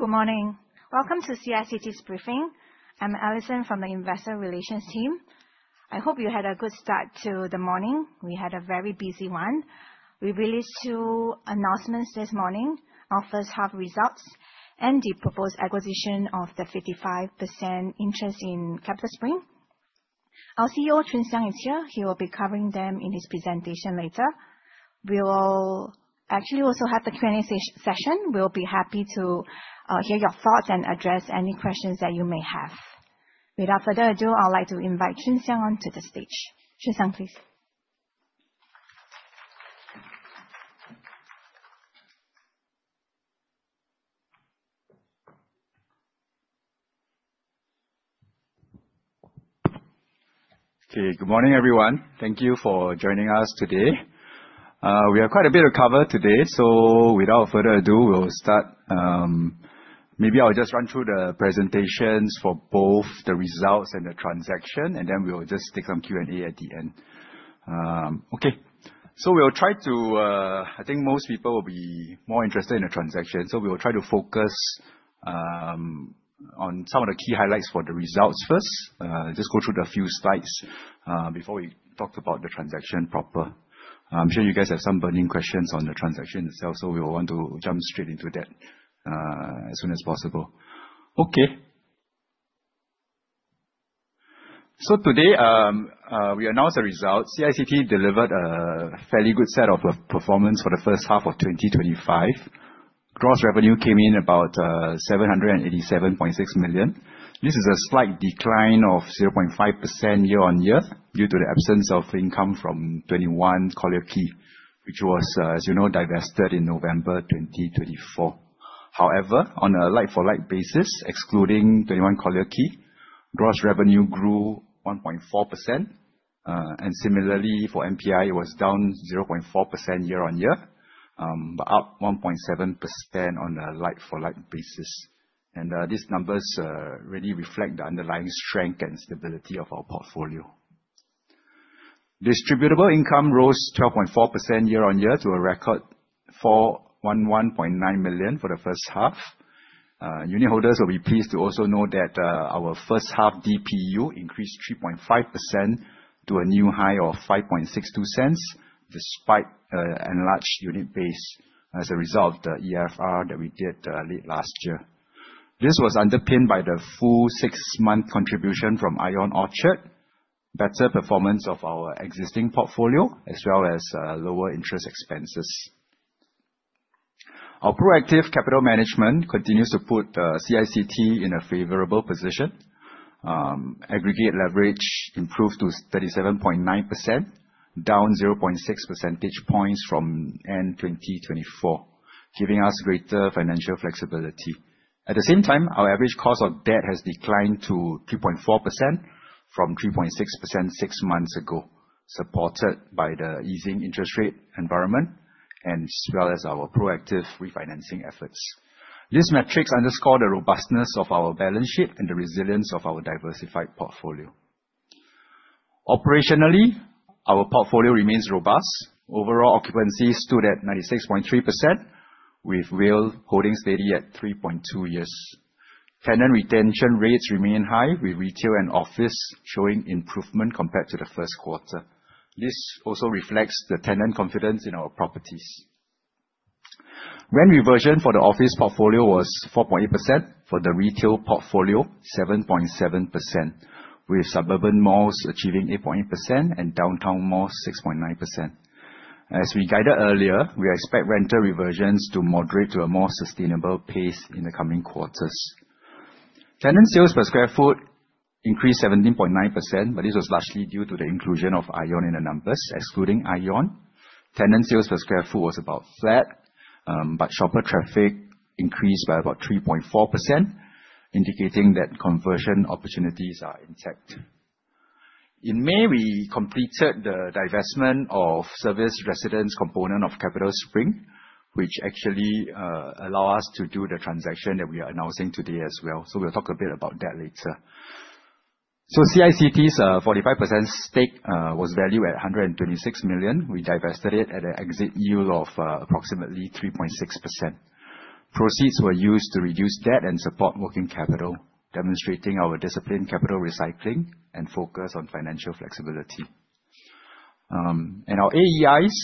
Good morning. Welcome to CICT's briefing. I'm Allison from the investor relations team. I hope you had a good start to the morning. We had a very busy one. We released two announcements this morning, our first half results and the proposed acquisition of the 55% interest in CapitaSpring. Our CEO, Choon Siang, is here. He will be covering them in his presentation later. We will actually also have the Q&A session. We'll be happy to hear your thoughts and address any questions that you may have. Without further ado, I'd like to invite Choon Siang onto the stage. Choon Siang, please. Good morning, everyone. Thank you for joining us today. We have quite a bit to cover today. Without further ado, we'll start. I'll just run through the presentations for both the results and the transaction. Then we will just take some Q&A at the end. I think most people will be more interested in the transaction. We will try to focus on some of the key highlights for the results first. Just go through a few slides, before we talk about the transaction proper. I'm sure you guys have some burning questions on the transaction itself. We want to jump straight into that, as soon as possible. Today, we announce the results. CICT delivered a fairly good set of performance for the first half of 2025. Gross revenue came in about 787.6 million. This is a slight decline of 0.5% year-on-year, due to the absence of income from 21 Collyer Quay, which was, as you know, divested in November 2024. On a like for like basis, excluding 21 Collyer Quay, gross revenue grew 1.4%. Similarly for NPI, it was down 0.4% year-on-year, but up 1.7% on a like-for-like basis. These numbers really reflect the underlying strength and stability of our portfolio. Distributable income rose 12.4% year-on-year to a record 411.9 million for the first half. Unitholders will be pleased to also know that our first half DPU increased 3.5% to a new high of 0.0562, despite an enlarged unit base as a result of the EFR that we did late last year. This was underpinned by the full six-month contribution from ION Orchard, better performance of our existing portfolio, as well as lower interest expenses. Our proactive capital management continues to put CICT in a favorable position. Aggregate leverage improved to 37.9%, down 0.6 percentage points from end 2024, giving us greater financial flexibility. At the same time, our average cost of debt has declined to 3.4% from 3.6% six months ago, supported by the easing interest rate environment as well as our proactive refinancing efforts. These metrics underscore the robustness of our balance sheet and the resilience of our diversified portfolio. Operationally, our portfolio remains robust. Overall occupancy stood at 96.3%, with WALE holding steady at 3.2 years. Tenant retention rates remain high, with retail and office showing improvement compared to the first quarter. This also reflects the tenant confidence in our properties. Rent reversion for the office portfolio was 4.8%, for the retail portfolio, 7.7%, with suburban malls achieving 8.8% and downtown malls 6.9%. As we guided earlier, we expect rental reversions to moderate to a more sustainable pace in the coming quarters. Tenant sales per square foot increased 17.9%, this was largely due to the inclusion of ION in the numbers. Excluding ION, tenant sales per square foot was about flat, shopper traffic increased by about 3.4%, indicating that conversion opportunities are intact. In May, we completed the divestment of service residence component of CapitaSpring, which actually allow us to do the transaction that we are announcing today as well. We'll talk a bit about that later. CICT's 45% stake was valued at 126 million. We divested it at an exit yield of approximately 3.6%. Proceeds were used to reduce debt and support working capital, demonstrating our disciplined capital recycling and focus on financial flexibility. Our AEIs,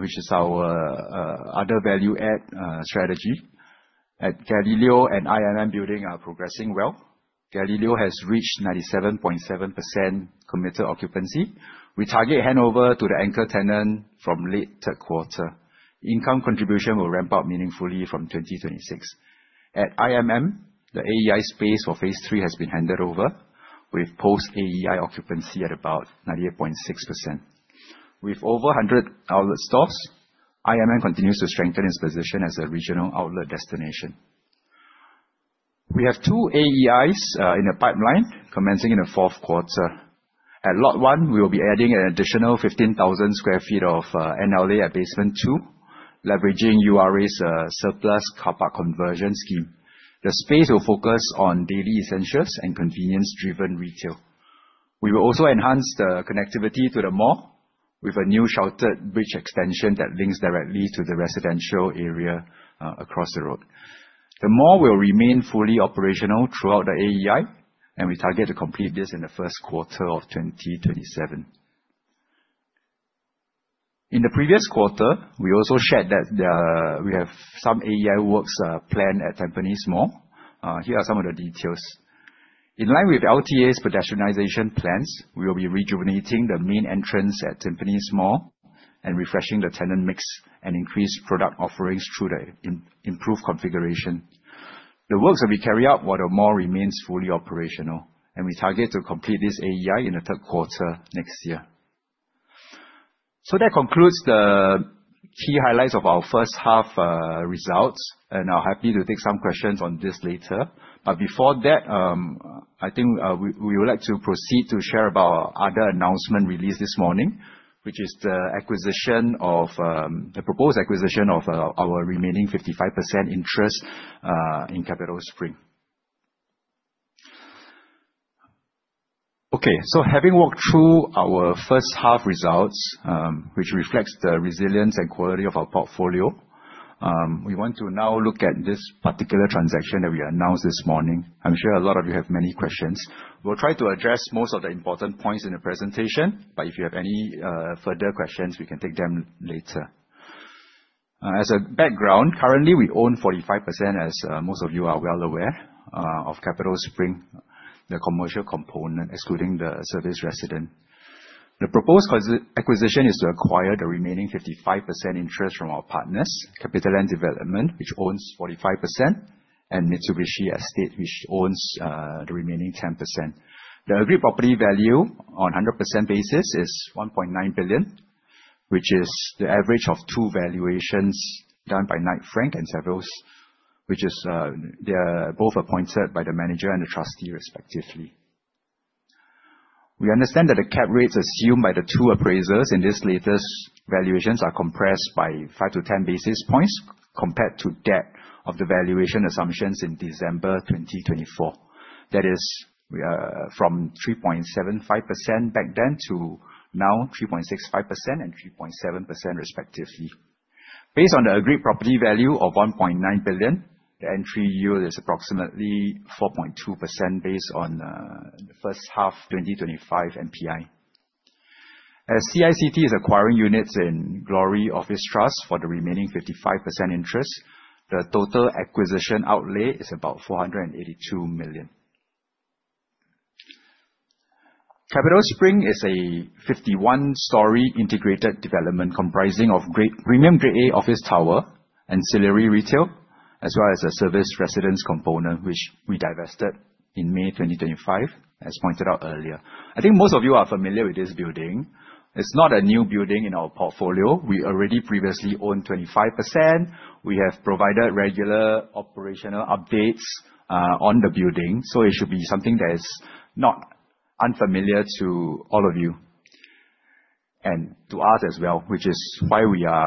which is our other value add strategy at Gallileo and IMM Building are progressing well. Gallileo has reached 97.7% committed occupancy. We target handover to the anchor tenant from late third quarter. Income contribution will ramp up meaningfully from 2026. At IMM, the AEI space for phase III has been handed over with post-AEI occupancy at about 98.6%. With over 100 outlet stores, IMM continues to strengthen its position as a regional outlet destination. We have two AEIs in the pipeline commencing in the fourth quarter. At Lot One, we will be adding an additional 15,000 sq ft of NLA at basement two, leveraging URA's surplus car park conversion scheme. The space will focus on daily essentials and convenience-driven retail. We will also enhance the connectivity to the mall with a new sheltered bridge extension that links directly to the residential area across the road. The mall will remain fully operational throughout the AEI, we target to complete this in the first quarter of 2027. In the previous quarter, we also shared that we have some AEI works planned at Tampines Mall. Here are some of the details. In line with LTA's pedestrianization plans, we will be rejuvenating the main entrance at Tampines Mall refreshing the tenant mix and increase product offerings through the improved configuration. The works will be carried out while the mall remains fully operational, we target to complete this AEI in the third quarter next year. That concludes the key highlights of our first half results, I'm happy to take some questions on this later. Before that, I think we would like to proceed to share about our other announcement released this morning, which is the proposed acquisition of our remaining 55% interest in CapitaSpring. Having walked through our first half results, which reflects the resilience and quality of our portfolio, we want to now look at this particular transaction that we announced this morning. I'm sure a lot of you have many questions. We'll try to address most of the important points in the presentation, if you have any further questions, we can take them later. As a background, currently we own 45%, as most of you are well aware, of CapitaSpring, the commercial component, excluding the service residence. The proposed acquisition is to acquire the remaining 55% interest from our partners, CapitaLand Development, which owns 45%, and Mitsubishi Estate, which owns the remaining 10%. The agreed property value on 100% basis is 1.9 billion, which is the average of two valuations done by Knight Frank and Savills. They are both appointed by the manager and the trustee, respectively. We understand that the cap rates assumed by the two appraisers in these latest valuations are compressed by five to 10 basis points compared to that of the valuation assumptions in December 2024. That is from 3.75% back then to now 3.65% and 3.7%, respectively. Based on the agreed property value of 1.9 billion, the entry yield is approximately 4.2% based on first half 2025 NPI. As CICT is acquiring units in Glory Office Trust for the remaining 55% interest, the total acquisition outlay is about 482 million. CapitaSpring is a 51-story integrated development comprising a premium Grade A office tower, ancillary retail, as well as a service residence component, which we divested in May 2025, as pointed out earlier. I think most of you are familiar with this building. It's not a new building in our portfolio. We already previously owned 25%. We have provided regular operational updates on the building, so it should be something that is not unfamiliar to all of you and to us as well, which is why we like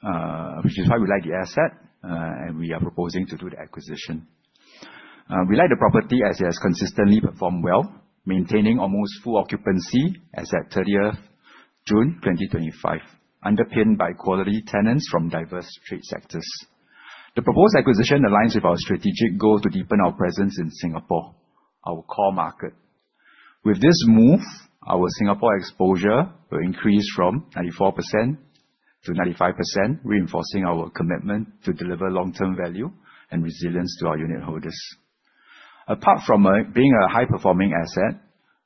the asset, and we are proposing to do the acquisition. We like the property as it has consistently performed well, maintaining almost full occupancy as at 30th June 2025, underpinned by quality tenants from diverse trade sectors. The proposed acquisition aligns with our strategic goal to deepen our presence in Singapore, our core market. With this move, our Singapore exposure will increase from 94% to 95%, reinforcing our commitment to deliver long-term value and resilience to our unitholders. Apart from being a high-performing asset,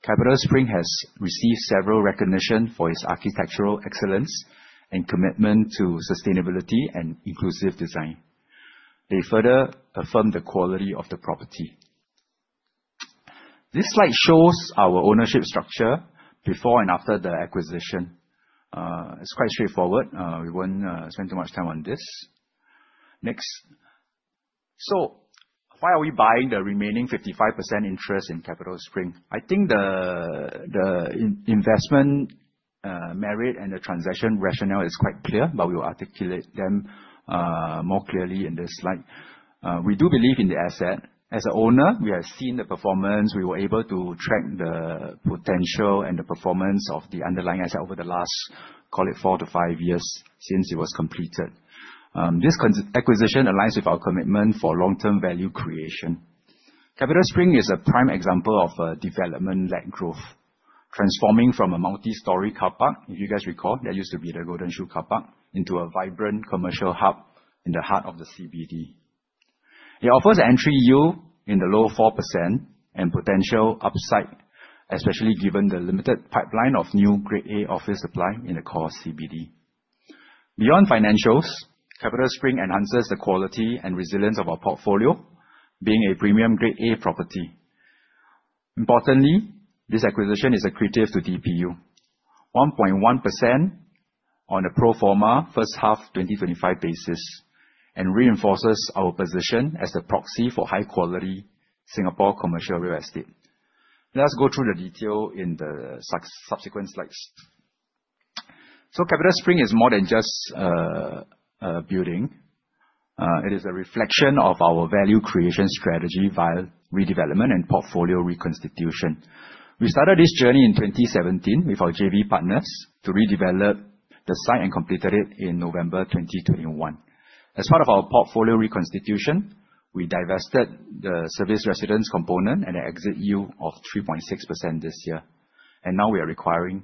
CapitaSpring has received several recognition for its architectural excellence and commitment to sustainability and inclusive design. They further affirm the quality of the property. This slide shows our ownership structure before and after the acquisition. It's quite straightforward. We won't spend too much time on this. Next. Why are we buying the remaining 55% interest in CapitaSpring? I think the investment merit and the transaction rationale is quite clear, but we will articulate them more clearly in this slide. We do believe in the asset. As an owner, we have seen the performance. We were able to track the potential and the performance of the underlying asset over the last, call it four to five years, since it was completed. This acquisition aligns with our commitment for long-term value creation. CapitaSpring is a prime example of development-led growth, transforming from a multi-story car park, if you guys recall, that used to be the Golden Shoe Car Park, into a vibrant commercial hub in the heart of the CBD. It offers entry yield in the low 4% and potential upside, especially given the limited pipeline of new Grade A office supply in the core CBD. Beyond financials, CapitaSpring enhances the quality and resilience of our portfolio, being a premium Grade A property. Importantly, this acquisition is accretive to DPU. 1.1% on a pro forma first half 2025 basis and reinforces our position as a proxy for high-quality Singapore commercial real estate. Let's go through the detail in the subsequent slides. CapitaSpring is more than just a building. It is a reflection of our value creation strategy via redevelopment and portfolio reconstitution. We started this journey in 2017 with our JV partners to redevelop the site and completed it in November 2021. As part of our portfolio reconstitution, we divested the service residence component and an exit yield of 3.6% this year. Now we are acquiring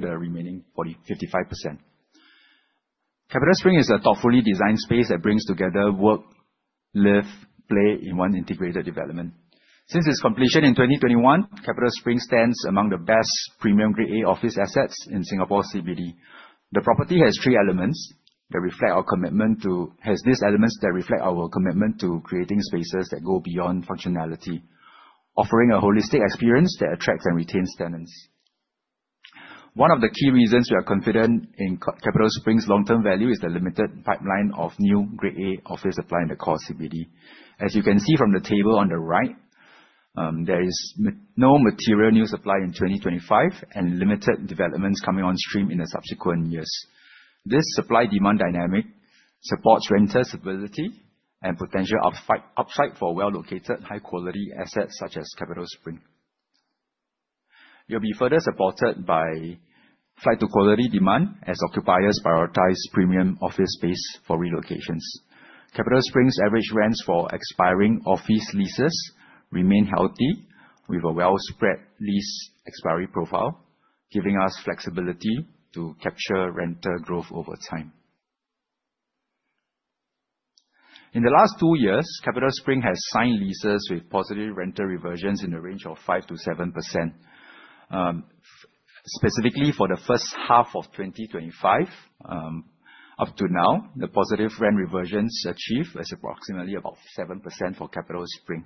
the remaining 55%. CapitaSpring is a thoughtfully designed space that brings together work, live, play in one integrated development. Since its completion in 2021, CapitaSpring stands among the best premium Grade A office assets in Singapore CBD. The property has these elements that reflect our commitment to creating spaces that go beyond functionality, offering a holistic experience that attracts and retains tenants. One of the key reasons we are confident in CapitaSpring's long-term value is the limited pipeline of new Grade A office supply in the core CBD. As you can see from the table on the right, there is no material new supply in 2025 and limited developments coming on stream in the subsequent years. This supply-demand dynamic supports renter stability and potential upside for well-located, high-quality assets such as CapitaSpring. It'll be further supported by flight to quality demand as occupiers prioritize premium office space for relocations. CapitaSpring's average rents for expiring office leases remain healthy, with a well spread lease expiry profile, giving us flexibility to capture renter growth over time. In the last two years, CapitaSpring has signed leases with positive rental reversions in the range of 5%-7%. Specifically for the first half of 2025, up to now, the positive rent reversions achieved is approximately about 7% for CapitaSpring.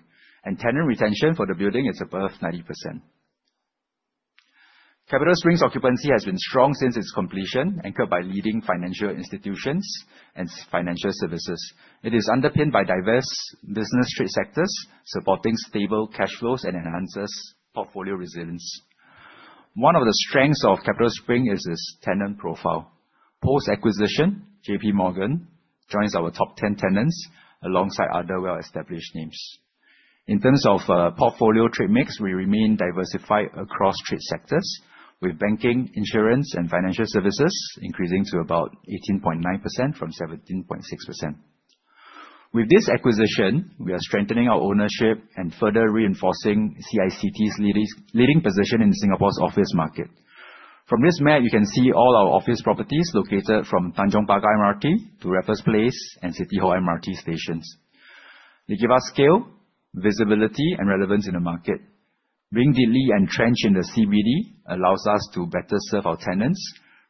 Tenant retention for the building is above 90%. CapitaSpring's occupancy has been strong since its completion, anchored by leading financial institutions and financial services. It is underpinned by diverse business trade sectors, supporting stable cash flows and enhances portfolio resilience. One of the strengths of CapitaSpring is its tenant profile. Post-acquisition, JPMorgan joins our top 10 tenants alongside other well-established names. In terms of portfolio trade mix, we remain diversified across trade sectors with banking, insurance, and financial services increasing to about 18.9% from 17.6%. With this acquisition, we are strengthening our ownership and further reinforcing CICT's leading position in Singapore's office market. From this map, you can see all our office properties located from Tanjong Pagar MRT to Raffles Place and City Hall MRT stations. They give us scale, visibility, and relevance in the market. Being deeply entrenched in the CBD allows us to better serve our tenants,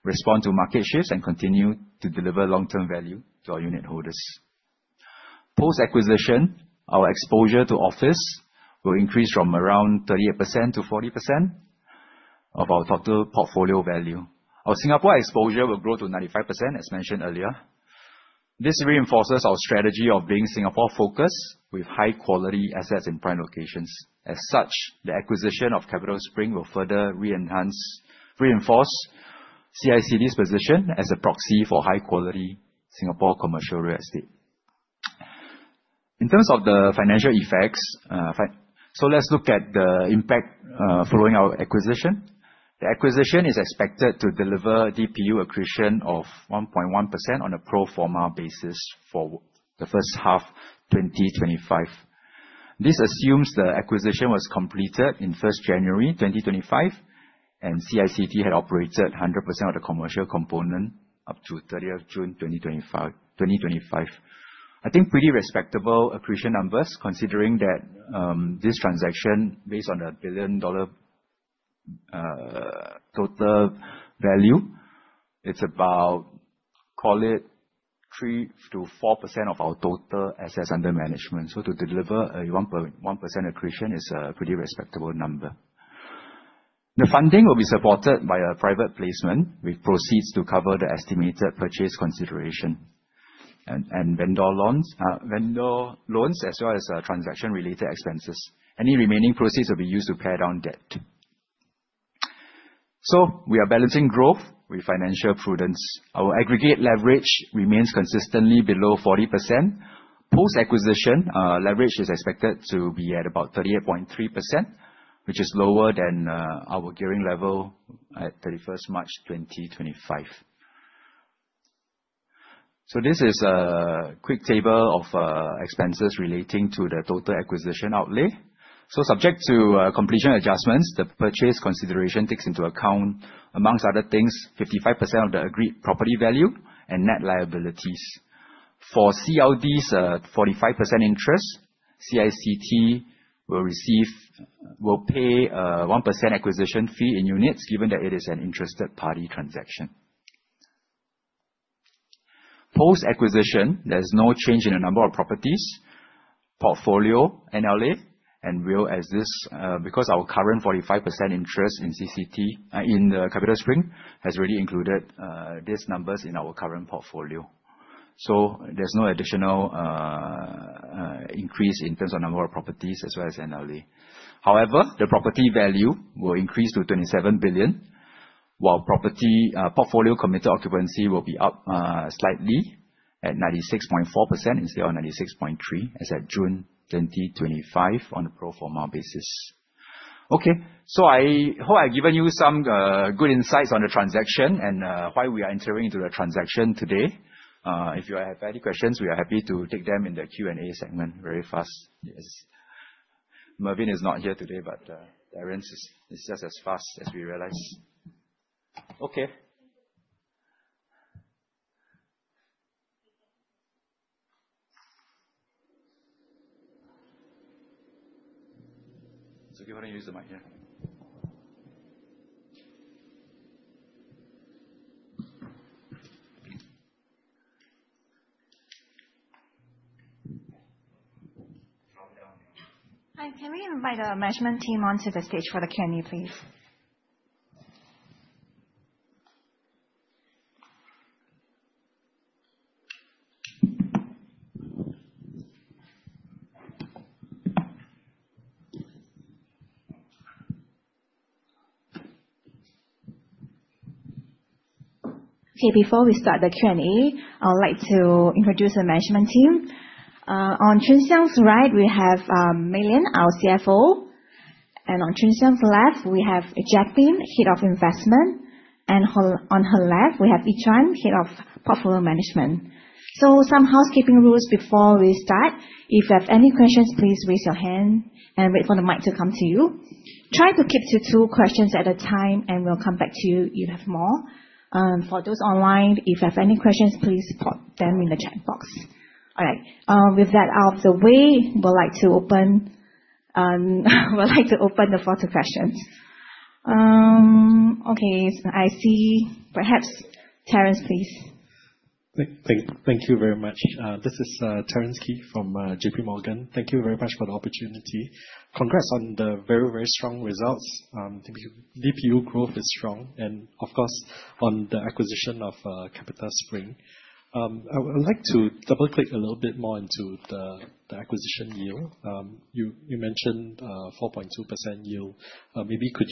respond to market shifts, and continue to deliver long-term value to our unitholders. Post-acquisition, our exposure to office will increase from around 38%-40% of our total portfolio value. Our Singapore exposure will grow to 95%, as mentioned earlier. This reinforces our strategy of being Singapore focused with high-quality assets in prime locations. As such, the acquisition of CapitaSpring will further reinforce CICT's position as a proxy for high-quality Singapore commercial real estate. In terms of the financial effects, let's look at the impact following our acquisition. The acquisition is expected to deliver DPU accretion of 1.1% on a pro forma basis for the first half 2025. This assumes the acquisition was completed on 1st January 2025, and CICT had operated 100% of the commercial component up to 30th June 2025. I think pretty respectable accretion numbers, considering that this transaction based on a billion-dollar total value. It's about, call it 3%-4% of our total assets under management. To deliver a 1% accretion is a pretty respectable number. The funding will be supported by a private placement with proceeds to cover the estimated purchase consideration and vendor loans as well as transaction-related expenses. Any remaining proceeds will be used to pay down debt. We are balancing growth with financial prudence. Our aggregate leverage remains consistently below 40%. Post-acquisition, leverage is expected to be at about 38.3%, which is lower than our gearing level at 31st March 2025. This is a quick table of expenses relating to the total acquisition outlay. Subject to completion adjustments, the purchase consideration takes into account, amongst other things, 55% of the agreed property value and net liabilities. For CLD's 45% interest, CICT will pay a 1% acquisition fee in units given that it is an interested party transaction. Post-acquisition, there is no change in the number of properties, portfolio NLA, and will as this, because our current 45% interest in the CapitaSpring has already included these numbers in our current portfolio. There's no additional increase in terms of number of properties as well as NLA. The property value will increase to 27 billion, while property portfolio committed occupancy will be up slightly at 96.4% instead of 96.3% as at June 2025 on a pro forma basis. I hope I've given you some good insights on the transaction and why we are entering into the transaction today. If you have any questions, we are happy to take them in the Q&A segment very fast. Yes. Mervin is not here today, but Terence is just as fast as we realize. It's okay. Why don't you use the mic here? Can we invite our management team onto the stage for the Q&A, please? Before we start the Q&A, I would like to introduce the management team. On Choon Siang's right, we have Mei Lian, our CFO, and on Choon Siang's left, we have Jacqueline, Head of Investment, and on her left we have Yi Zhuan, Head of Portfolio Management. Some housekeeping rules before we start. If you have any questions, please raise your hand and wait for the mic to come to you. Try to keep to two questions at a time and we'll come back to you if you have more. For those online, if you have any questions, please put them in the chat box. With that out of the way, we'd like to open the floor to questions. I see, perhaps, Terence, please. Thank you very much. This is Terence Khi from JPMorgan. Thank you very much for the opportunity. Congrats on the very strong results. DPU growth is strong on the acquisition of CapitaSpring. I would like to double-click a little bit more into the acquisition yield. You mentioned 4.2% yield. Could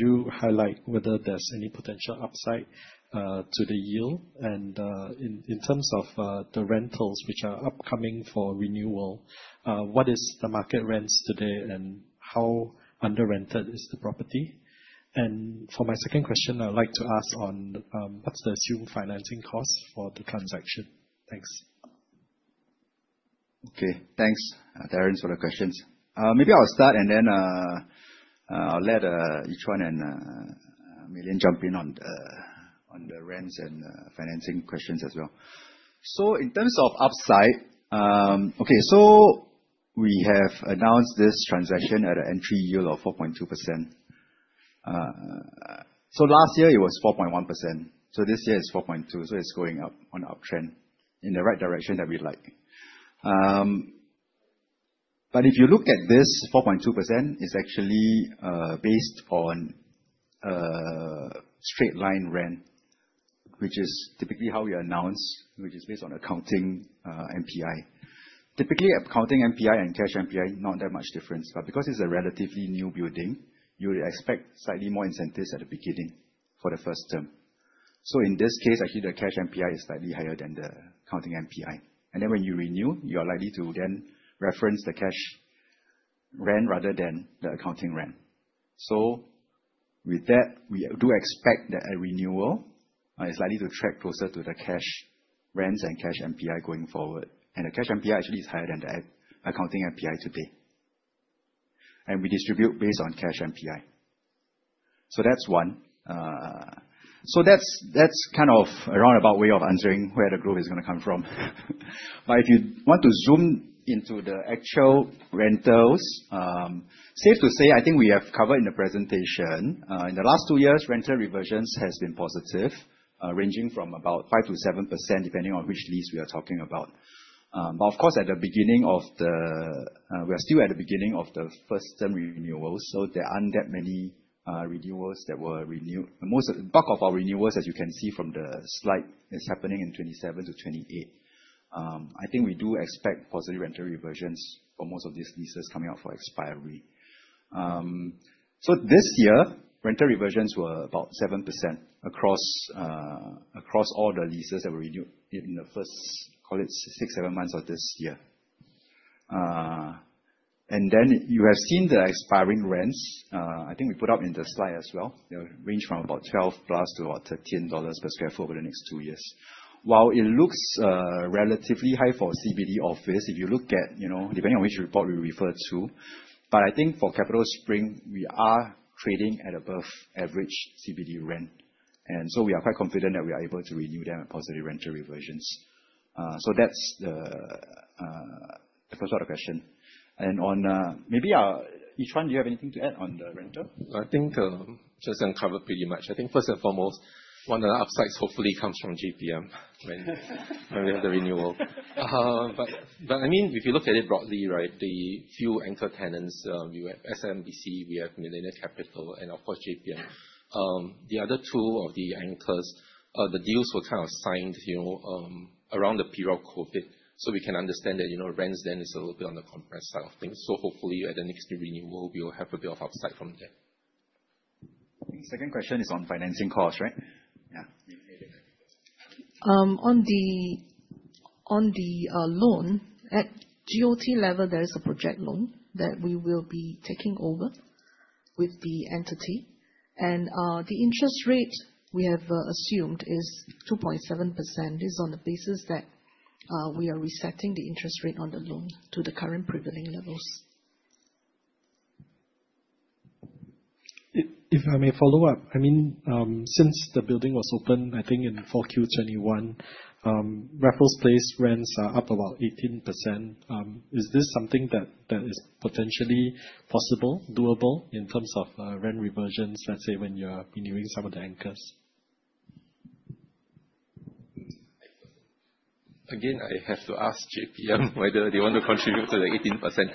you highlight whether there's any potential upside to the yield and in terms of the rentals which are upcoming for renewal, what is the market rents today and how under-rented is the property? For my second question, I'd like to ask on what's the assumed financing cost for the transaction? Thanks. Okay. Thanks, Terence, for the questions. I'll start and then I'll let Yi Zhuan and Mei Lian jump in on the rents and financing questions as well. In terms of upside, we have announced this transaction at an entry yield of 4.2%. Last year it was 4.1%. This year is 4.2%. It's going up on an uptrend in the right direction that we like. If you look at this, 4.2% is actually based on straight line rent, which is typically how we announce, which is based on accounting NPI. Typically, accounting NPI and cash NPI, not that much difference. Because it's a relatively new building, you would expect slightly more incentives at the beginning for the first term. In this case, actually, the cash NPI is slightly higher than the accounting NPI. When you renew, you are likely to then reference the cash rent rather than the accounting rent. With that, we do expect that a renewal is likely to track closer to the cash rents and cash NPI going forward. The cash NPI actually is higher than the accounting NPI to date. We distribute based on cash NPI. That's one. That's a roundabout way of answering where the growth is going to come from. If you want to zoom into the actual rentals, safe to say, we have covered in the presentation, in the last two years, rental reversions has been positive, ranging from about 5%-7%, depending on which lease we are talking about. Of course, we are still at the beginning of the first term renewals, there aren't that many renewals that were renewed. Most of the bulk of our renewals, as you can see from the slide, is happening in 2027-2028. We do expect positive rental reversions for most of these leases coming up for expiry. This year, rental reversions were about 7% across all the leases that were renewed in the first, call it six, seven months of this year. You have seen the expiring rents. We put up in the slide as well. They range from about 12+ to about 13 dollars per square foot over the next two years. While it looks relatively high for CBD office, depending on which report we refer to, for CapitaSpring, we are trading at above average CBD rent. We are quite confident that we are able to renew them at positive rental reversions. That's the first part of the question. Maybe, Yi Zhuan, do you have anything to add on the rental? I think Choon Siang covered pretty much. I think first and foremost, one of the upsides hopefully comes from JPM when we have the renewal. If you look at it broadly, right, the few anchor tenants, we have SMBC, we have Millennium Capital, and of course JPM. The other two of the anchors, the deals were signed around the period of COVID. We can understand that rents then is a little bit on the compressed side of things. Hopefully at the next renewal, we will have a bit of upside from there. Second question is on financing cost, right? Yeah. On the loan, at GOT level, there is a project loan that we will be taking over with the entity. The interest rate we have assumed is 2.7%. This is on the basis that we are resetting the interest rate on the loan to the current prevailing levels. If I may follow up. Since the building was opened, I think in 4Q 2021, Raffles Place rents are up about 18%. Is this something that is potentially possible, doable in terms of rent reversions, let's say when you're renewing some of the anchors? I have to ask JPM whether they want to contribute to the 18%.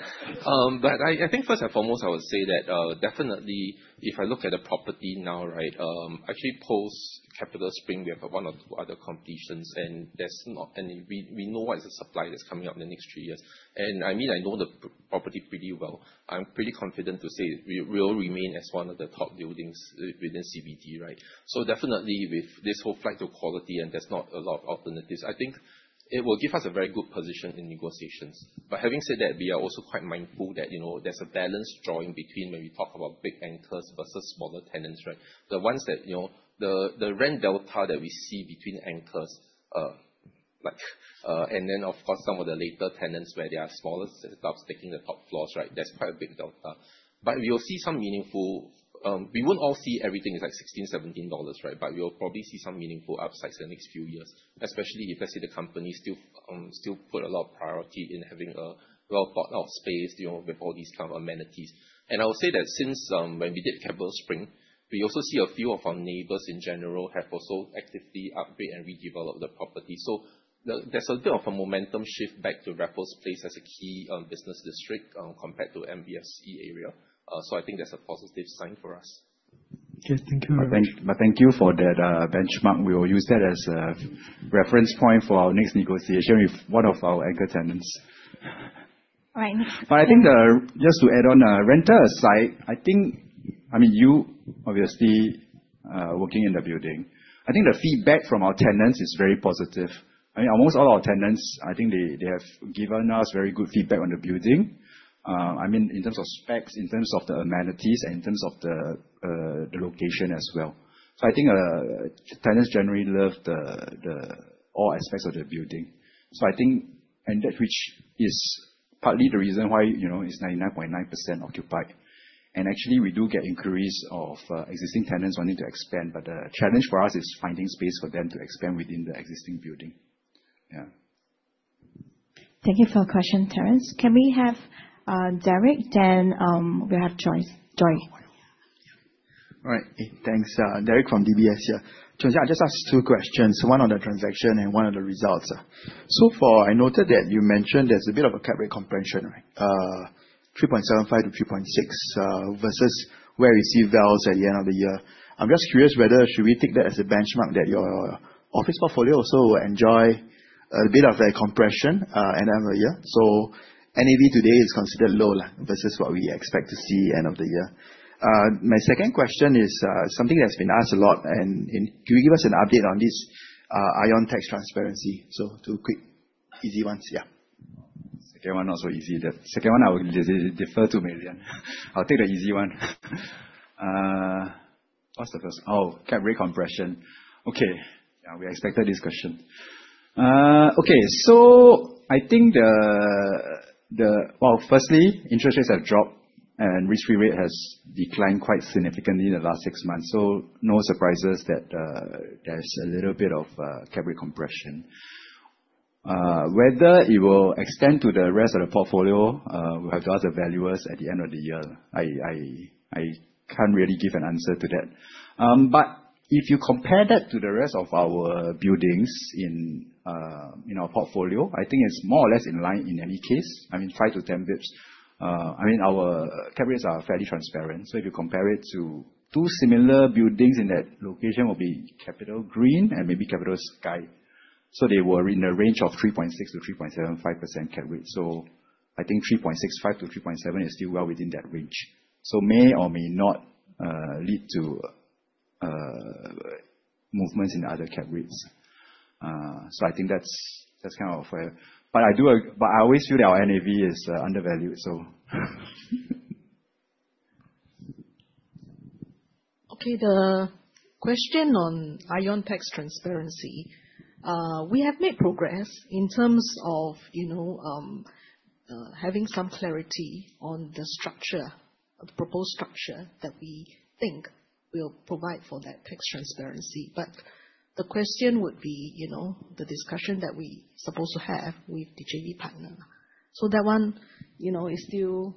I think first and foremost, I would say that, definitely, if I look at the property now, actually post CapitaSpring, we have got one or two other competitions, and we know what is the supply that's coming out in the next three years. I know the property pretty well. I'm pretty confident to say we will remain as one of the top buildings within CBD, right? Definitely with this whole flight to quality, and there's not a lot of alternatives, I think it will give us a very good position in negotiations. Having said that, we are also quite mindful that there's a balance drawing between when we talk about big anchors versus smaller tenants, right? The rent delta that we see between anchors, and then, of course, some of the later tenants where they are smaller setups taking the top floors, that's quite a big delta. We will see some. We won't all see everything is like 16, 17 dollars, right? We will probably see some meaningful upsides in the next few years, especially if, let's say, the company still put a lot of priority in having a well-thought-out space with all these kinds of amenities. I would say that since when we did CapitaSpring, we also see a few of our neighbors in general have also actively upgrade and redevelop the property. There's a bit of a momentum shift back to Raffles Place as a key business district compared to MBFC area. I think that's a positive sign for us. Okay. Thank you very much. Thank you for that benchmark. We will use that as a reference point for our next negotiation with one of our anchor tenants. I think just to add on, renter aside, you obviously are working in the building. I think the feedback from our tenants is very positive. Almost all our tenants, I think they have given us very good feedback on the building. In terms of specs, in terms of the amenities, and in terms of the location as well. I think tenants generally love all aspects of the building, and that which is partly the reason why it's 99.9% occupied. Actually, we do get inquiries of existing tenants wanting to expand, but the challenge for us is finding space for them to expand within the existing building. Thank you for your question, Terence. Can we have Derek, then we have Joy. All right. Thanks. Derek from DBS here. Choon Siang, I'll just ask two questions, one on the transaction and one on the results. So far, I noted that you mentioned there's a bit of a cap rate compression, 3.75%-3.6% versus where you see values at the end of the year. I'm just curious whether should we take that as a benchmark that your office portfolio also enjoy a bit of a compression end of the year. NAV today is considered low versus what we expect to see end of the year. My second question is something that's been asked a lot, and can you give us an update on this ION tax transparency? Two quick, easy ones. Second one not so easy. The second one I will defer to Mei Lian. I'll take the easy one. What's the first? Cap rate compression. We expected this question. I think, firstly, interest rates have dropped, and risk-free rate has declined quite significantly in the last six months. No surprises that there's a little bit of cap rate compression. Whether it will extend to the rest of the portfolio, we'll have to ask the valuers at the end of the year. I can't really give an answer to that. But if you compare that to the rest of our buildings in our portfolio, I think it's more or less in line in any case. I mean, 5 to 10 basis points. Our cap rates are fairly transparent. If you compare it to two similar buildings in that location will be CapitaGreen and maybe CapitaSky. They were in the range of 3.6%-3.75% cap rate. I think 3.65%-3.7% is still well within that range. May or may not lead to movements in other cap rates. I always feel that our NAV is undervalued. The question on ION tax transparency. We have made progress in terms of having some clarity on the proposed structure that we think will provide for that tax transparency. The question would be the discussion that we supposed to have with the JV partner. That one is still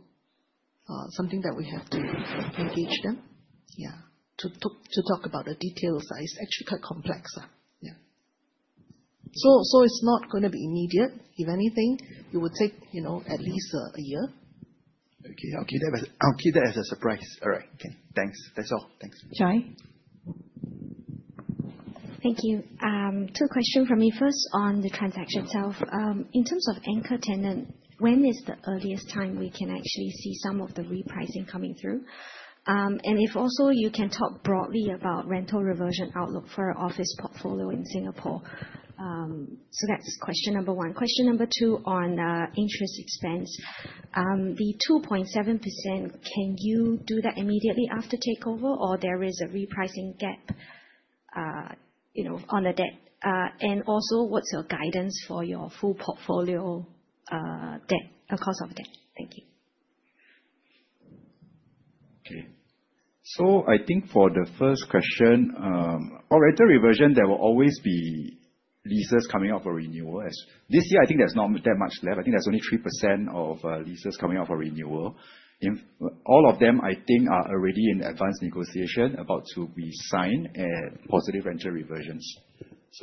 something that we have to engage them, yeah, to talk about the details. It's actually quite complex. Yeah. It's not going to be immediate. If anything, it would take at least a year. I'll keep that as a surprise. Thanks. That's all. Thanks. Joy? Thank you. Two question from me. First, on the transaction itself. In terms of anchor tenant, when is the earliest time we can actually see some of the repricing coming through? If also you can talk broadly about rental reversion outlook for office portfolio in Singapore. That's question number one. Question number two on interest expense. The 2.7%, can you do that immediately after takeover, or there is a repricing gap on the debt? Also, what's your guidance for your full portfolio cost of debt? Thank you. Okay. I think for the first question, on rental reversion, there will always be leases coming up for renewal. This year, I think there's not that much left. I think there's only 3% of leases coming up for renewal. All of them, I think, are already in advanced negotiation about to be signed at positive rental reversions.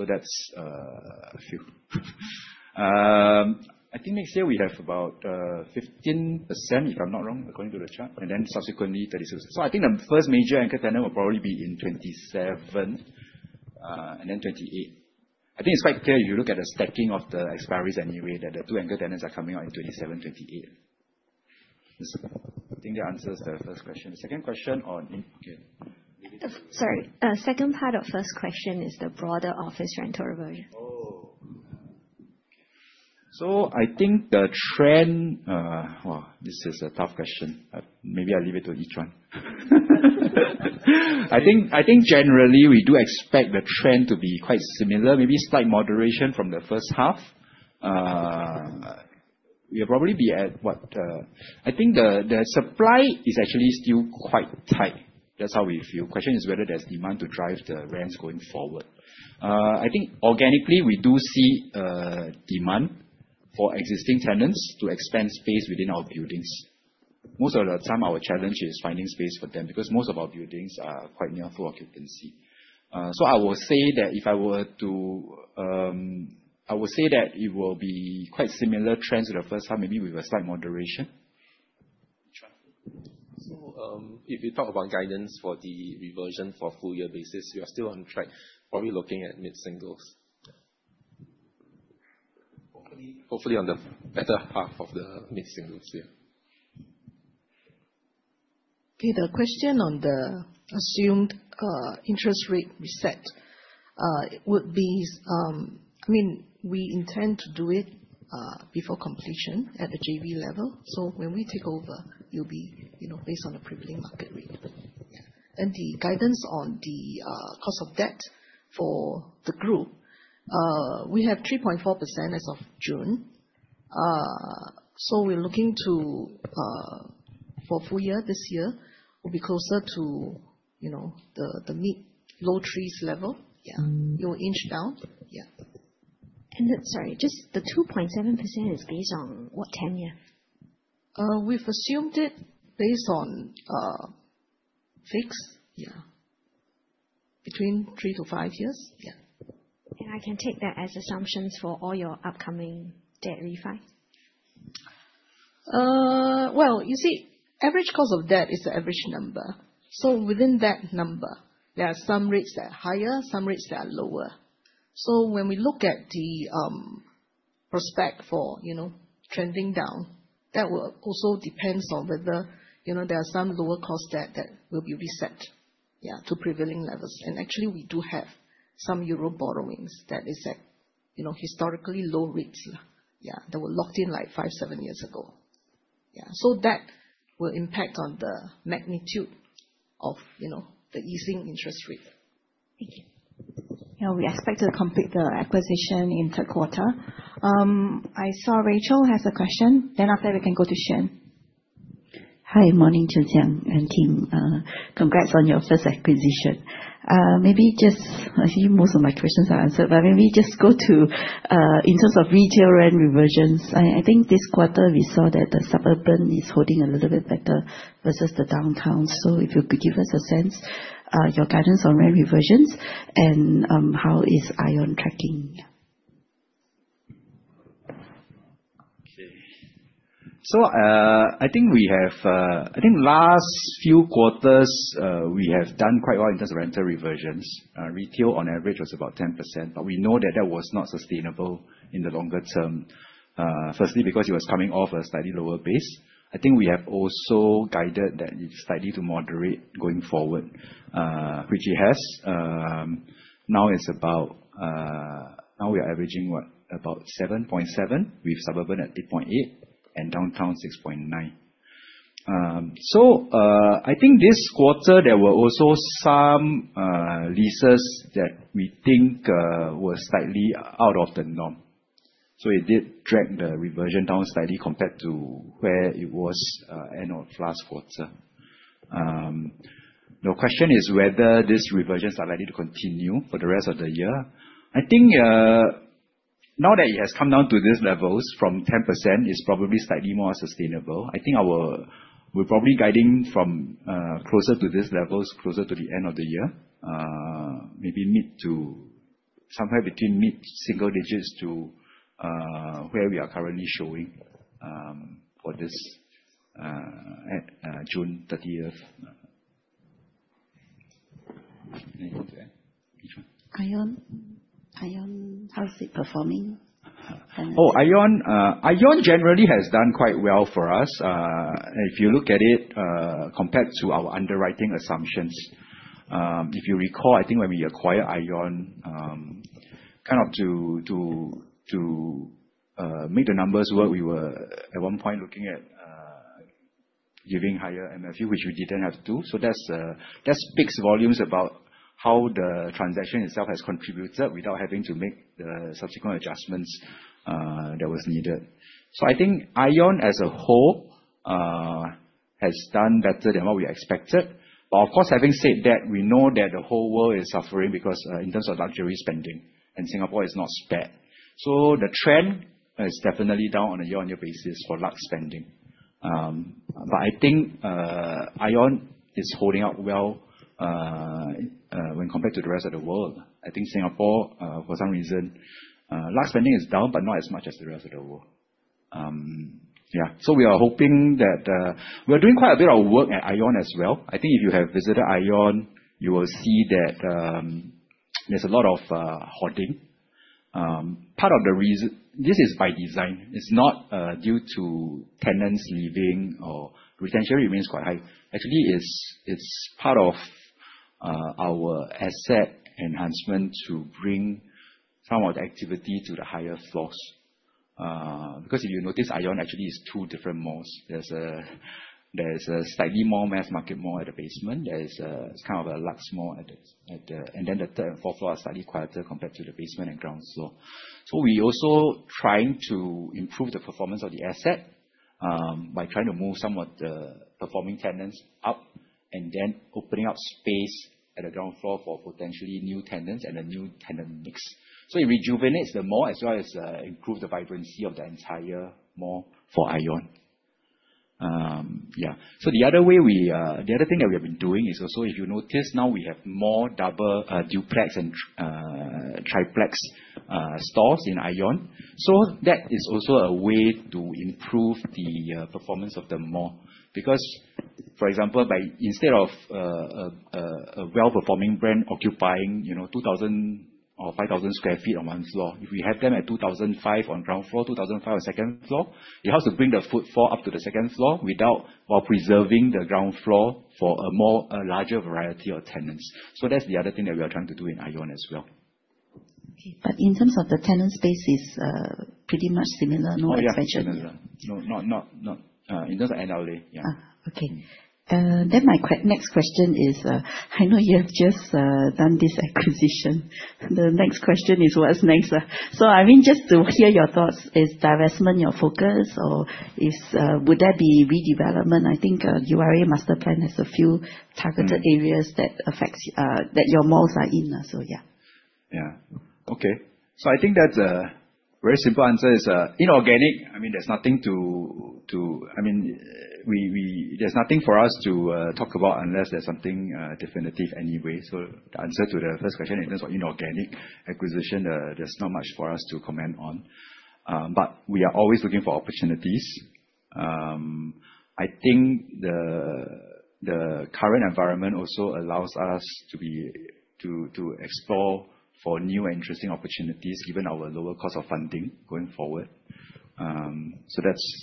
That's a few. I think next year we have about 15%, if I'm not wrong, according to the chart, subsequently 36. I think the first major anchor tenant will probably be in 2027, and 2028. I think it's quite clear if you look at the stacking of the expiries anyway, that the two anchor tenants are coming out in 2027, 2028. I think that answers the first question. Second question on. Sorry. Second part of first question is the broader office rental reversion. Wow, this is a tough question. Maybe I'll leave it to Yi Zhuan. I think generally we do expect the trend to be quite similar, maybe slight moderation from the first half. I think the supply is actually still quite tight. That's how we feel. Question is whether there's demand to drive the rents going forward. I think organically, we do see demand for existing tenants to expand space within our buildings. Most of the time our challenge is finding space for them, because most of our buildings are quite near full occupancy. I would say that it will be quite similar trends to the first half, maybe with a slight moderation. Yi Zhuan. If you talk about guidance for the rent reversion for full year basis, we are still on track, probably looking at mid-singles. Hopefully on the better half of the mid-singles. Yeah. Okay. The question on the assumed interest rate reset. We intend to do it before completion at the JV level. When we take over, it will be based on the prevailing market rate. The guidance on the cost of debt for the group. We have 3.4% as of June. We're looking to, for full year this year, we'll be closer to the mid, low threes level. Yeah. It will inch down. Yeah. Sorry, just the 2.7% is based on what tenure? We've assumed it based on fixed. Yeah. Between three to five years. Yeah. I can take that as assumptions for all your upcoming debt refi? Well, you see, average cost of debt is the average number. Within that number, there are some rates that are higher, some rates that are lower. When we look at the prospect for trending down, that will also depends on whether there are some lower cost debt that will be reset to prevailing levels. Actually, we do have some EUR borrowings that is at historically low rates. Yeah, that were locked in like five, seven years ago. Yeah. That will impact on the magnitude of the easing interest rate. Thank you. Yeah, we expect to complete the acquisition in third quarter. I saw Rachel has a question, then after that we can go to Shen. Hi. Morning, Choon Siang and team. Congrats on your first acquisition. I think most of my questions are answered, in terms of retail rent reversions, I think this quarter we saw that the suburban is holding a little bit better versus the downtown. If you could give us a sense, your guidance on rent reversions, and how is ION tracking? I think last few quarters, we have done quite well in terms of rental reversions. Retail on average was about 10%, but we know that that was not sustainable in the longer term. Firstly, because it was coming off a slightly lower base. I think we have also guided that it's slightly to moderate going forward, which it has. Now we are averaging what? About 7.7% with suburban at 3.8% and downtown 6.9%. I think this quarter, there were also some leases that we think were slightly out of the norm. It did drag the reversion down slightly compared to where it was end of last quarter. Your question is whether these reversions are likely to continue for the rest of the year. I think now that it has come down to these levels from 10%, it's probably slightly more sustainable. I think we're probably guiding from closer to these levels closer to the end of the year. Maybe mid to mid-single digits to where we are currently showing for this at June 30th. Anything to add? Which one? ION. How is it performing? ION generally has done quite well for us. If you look at it, compared to our underwriting assumptions. If you recall, I think when we acquired ION, to make the numbers work, we were at one point looking at giving higher MFU, which we didn't have to do. That speaks volumes about how the transaction itself has contributed without having to make the subsequent adjustments that were needed. I think ION as a whole has done better than what we expected. Of course, having said that, we know that the whole world is suffering because in terms of luxury spending, and Singapore is not spared. The trend is definitely down on a year-on-year basis for lux spending. I think ION is holding up well when compared to the rest of the world. I think Singapore, for some reason, lux spending is down, but not as much as the rest of the world. We are hoping. We are doing quite a bit of work at ION as well. I think if you have visited ION, you will see that there's a lot of hoarding. Part of the reason, this is by design. It's not due to tenants leaving or Retention remains quite high. Actually, it's part of our asset enhancement to bring some of the activity to the higher floors. If you notice, ION actually is two different malls. There's a slightly more mass market mall at the basement. There is a kind of a lux mall at the, the third and fourth floor are slightly quieter compared to the basement and ground floor. We're also trying to improve the performance of the asset by trying to move some of the performing tenants up and then opening up space at the ground floor for potentially new tenants and a new tenant mix. It rejuvenates the mall, as well as improves the vibrancy of the entire mall for ION. The other thing that we have been doing is also, if you notice now we have more double duplex and triplex stores in ION. That is also a way to improve the performance of the mall. For example, instead of a well-performing brand occupying 2,000 or 5,000 sq ft on one floor, if we have them at 2,005 on ground floor, 2,005 on second floor, it helps to bring the footfall up to the second floor while preserving the ground floor for a larger variety of tenants. That's the other thing that we are trying to do in ION as well. Okay. In terms of the tenant space is pretty much similar, no expansion? Yeah, similar. No, in terms of NLA, yeah. Okay. My next question is, I know you have just done this acquisition. The next question is, what's next? I mean, just to hear your thoughts, is divestment your focus or would there be redevelopment? I think URA Master Plan has a few targeted areas that your malls are in. Yeah. Okay. I think that very simple answer is inorganic. There's nothing for us to talk about unless there's something definitive anyway. The answer to the first question, in terms of inorganic acquisition, there's not much for us to comment on. We are always looking for opportunities. I think the current environment also allows us to explore for new interesting opportunities, given our lower cost of funding going forward.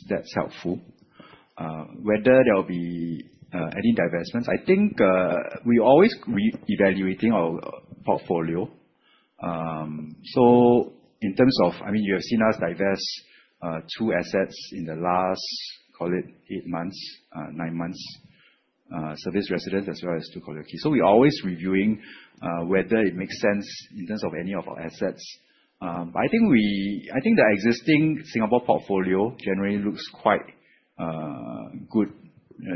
That's helpful. Whether there will be any divestments, I think, we're always reevaluating our portfolio. In terms of, you have seen us divest two assets in the last, call it eight months, nine months. Service residence as well as 21 Collyer Quay. We're always reviewing whether it makes sense in terms of any of our assets. I think the existing Singapore portfolio generally looks quite good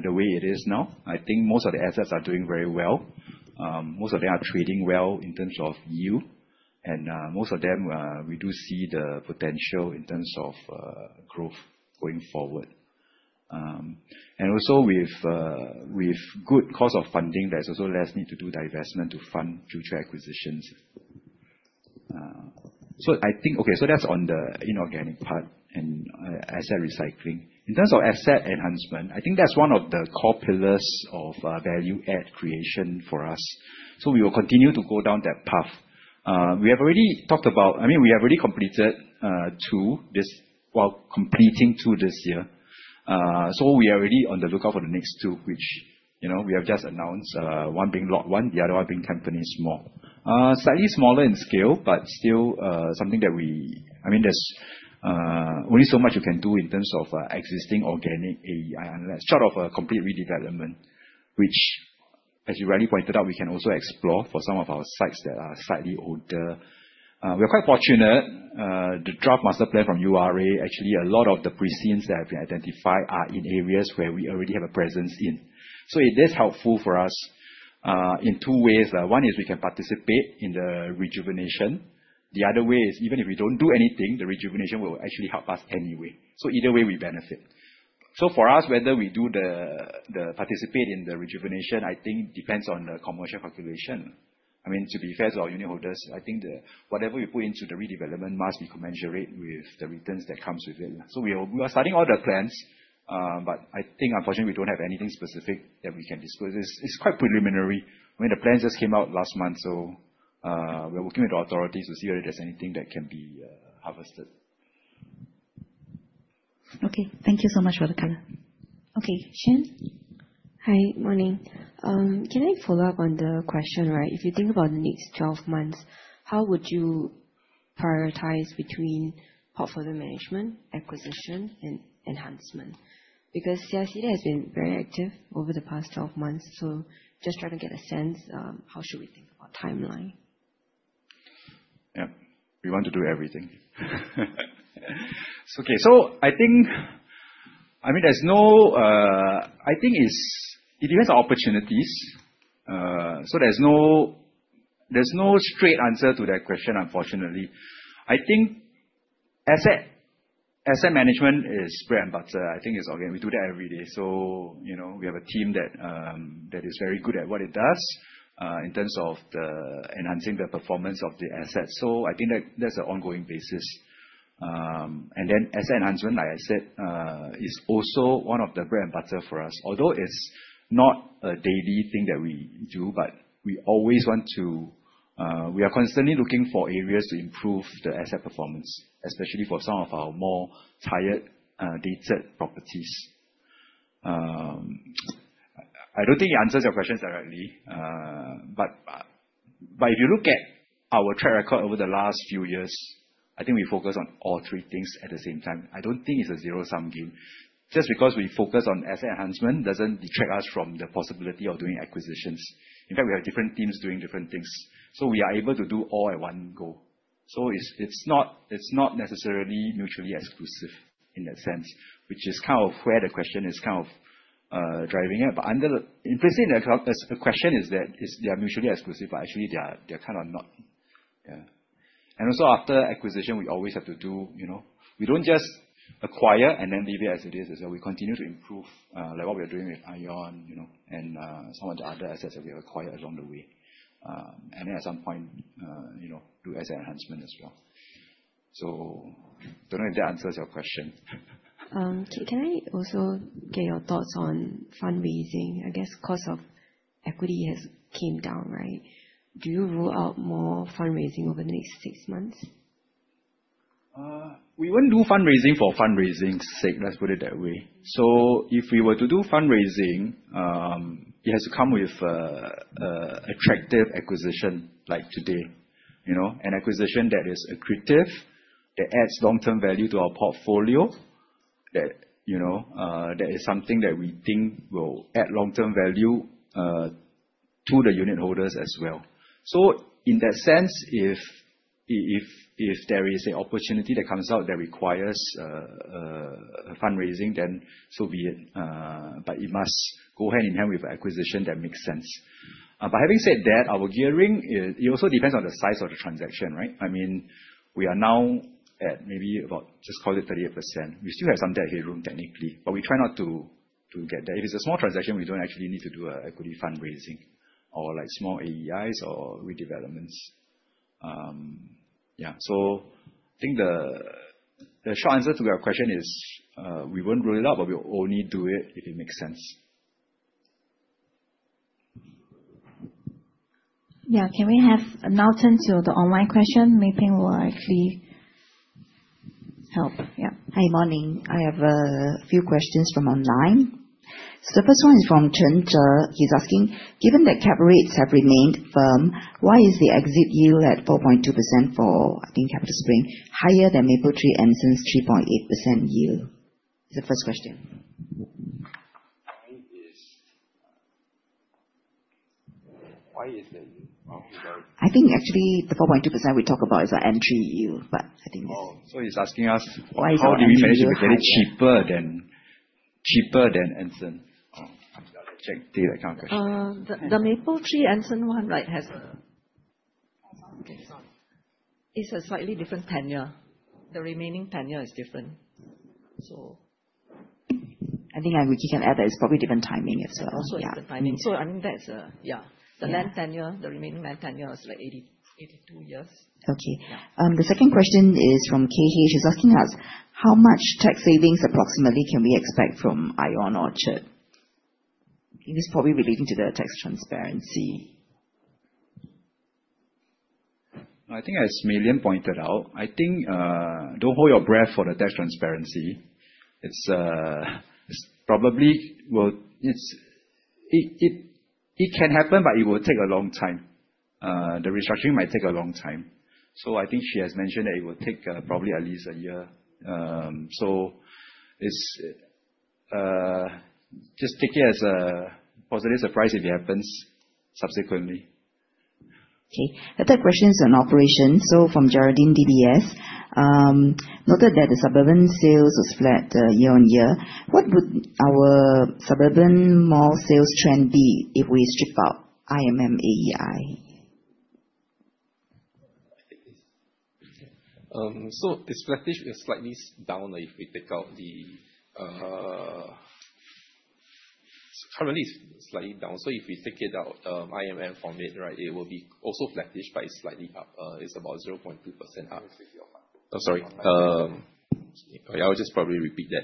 the way it is now. I think most of the assets are doing very well. Most of them are trading well in terms of yield. Most of them, we do see the potential in terms of growth going forward. With good cost of funding, that also less need to do divestment to fund future acquisitions. That's on the inorganic part and asset recycling. In terms of asset enhancement, I think that's one of the core pillars of value add creation for us. We will continue to go down that path. We have already completed two this year. We are already on the lookout for the next two, which we have just announced, one being Lot One, the other one being Tampines Mall. Slightly smaller in scale, but still something that we. There's only so much you can do in terms of existing organic AEI, unless short of a complete redevelopment. Which as you rightly pointed out, we can also explore for some of our sites that are slightly older. We're quite fortunate, the Draft Master Plan from URA, actually, a lot of the precincts that have been identified are in areas where we already have a presence in. It is helpful for us in two ways. One is we can participate in the rejuvenation. The other way is even if we don't do anything, the rejuvenation will actually help us anyway. Either way, we benefit. For us, whether we do participate in the rejuvenation, I think depends on the commercial calculation. To be fair to our unitholders, I think that whatever we put into the redevelopment must be commensurate with the returns that comes with it. We are starting all the plans, but I think unfortunately, we don't have anything specific that we can disclose. It's quite preliminary. I mean, the plans just came out last month, so we are working with the authorities to see whether there's anything that can be harvested. Okay. Thank you so much for the color. Okay, Shen? Hi. Morning. Can I follow up on the question? If you think about the next 12 months, how would you prioritize between portfolio management, acquisition, and enhancement? CICT has been very active over the past 12 months, just trying to get a sense, how should we think about timeline? Yeah. We want to do everything. Okay. I think it depends on opportunities, there's no straight answer to that question, unfortunately. I think asset management is bread and butter. I think we do that every day. We have a team that is very good at what it does, in terms of enhancing the performance of the asset. I think that's an ongoing basis. Asset enhancement, like I said, is also one of the bread and butter for us. Although it's not a daily thing that we do, but we are constantly looking for areas to improve the asset performance, especially for some of our more tired, dated properties. I don't think it answers your question directly, but if you look at our track record over the last few years, I think we focus on all three things at the same time. I don't think it's a zero-sum game. Just because we focus on asset enhancement doesn't detract us from the possibility of doing acquisitions. In fact, we have different teams doing different things, so we are able to do all at one go. It's not necessarily mutually exclusive in that sense, which is kind of where the question is kind of driving at. Implicit in the question is that they are mutually exclusive, but actually they are kind of not. Yeah. After acquisition, we don't just acquire and then leave it as it is. We continue to improve, like what we are doing with ION and some of the other assets that we acquired along the way. At some point, do asset enhancement as well. Don't know if that answers your question. Can I also get your thoughts on fundraising? I guess cost of equity has came down, right? Do you rule out more fundraising over the next six months? We won't do fundraising for fundraising's sake, let's put it that way. If we were to do fundraising, it has to come with attractive acquisition like today. An acquisition that is accretive, that adds long-term value to our portfolio, that is something that we think will add long-term value to the unitholders as well. In that sense, if there is an opportunity that comes out that requires fundraising, then so be it. It must go hand-in-hand with acquisition that makes sense. Having said that, our gearing, it also depends on the size of the transaction, right? We are now at maybe about just call it 38%. We still have some debt headroom, technically, but we try not to get there. If it's a small transaction, we don't actually need to do a equity fundraising or like small AEIs or redevelopments. Yeah. I think the short answer to that question is, we won't rule it out, but we'll only do it if it makes sense. Yeah. Can we now turn to the online question? Mei Peng will actually help. Yeah. Hi. Morning. I have a few questions from online. The first one is from Chen Zhe. He's asking, "Given that cap rates have remained firm, why is the exit yield at 4.2% for, I think CapitaSpring, higher than Mapletree Anson's 3.8% yield?" It's the first question. Why is the yield- I think actually the 4.2% we talk about is the NPI yield. Oh, he's asking us- Why is our NPI yield higher? How did we manage to get it cheaper than Anson? Oh, that's a tricky kind of question. The Mapletree Anson one, right, it's a slightly different tenure. The remaining tenure is different. So- I think we can add that it's probably different timing as well. Yeah. Also the timing. I think that's, yeah. The land tenure, the remaining land tenure is like 82 years. Okay. The second question is from KH. He is asking us, "How much tax savings approximately can we expect from ION Orchard?" I think it is probably relating to the tax transparency. I think as Mei Lian pointed out, don't hold your breath for the tax transparency. It can happen, but it will take a long time. The restructuring might take a long time. She has mentioned that it will take probably at least a year. Just take it as a positive surprise if it happens subsequently. Okay. The third question is on operations. From Geraldine DBS, "Noted that the suburban sales was flat year-on-year. What would our suburban mall sales trend be if we strip out IMM AEI? It is flattish. It is slightly down if we take out. Currently, it is slightly down. If we take out IMM from it will be also flattish, but it is slightly up. It is about 0.2% up. I am sorry. I will just probably repeat that.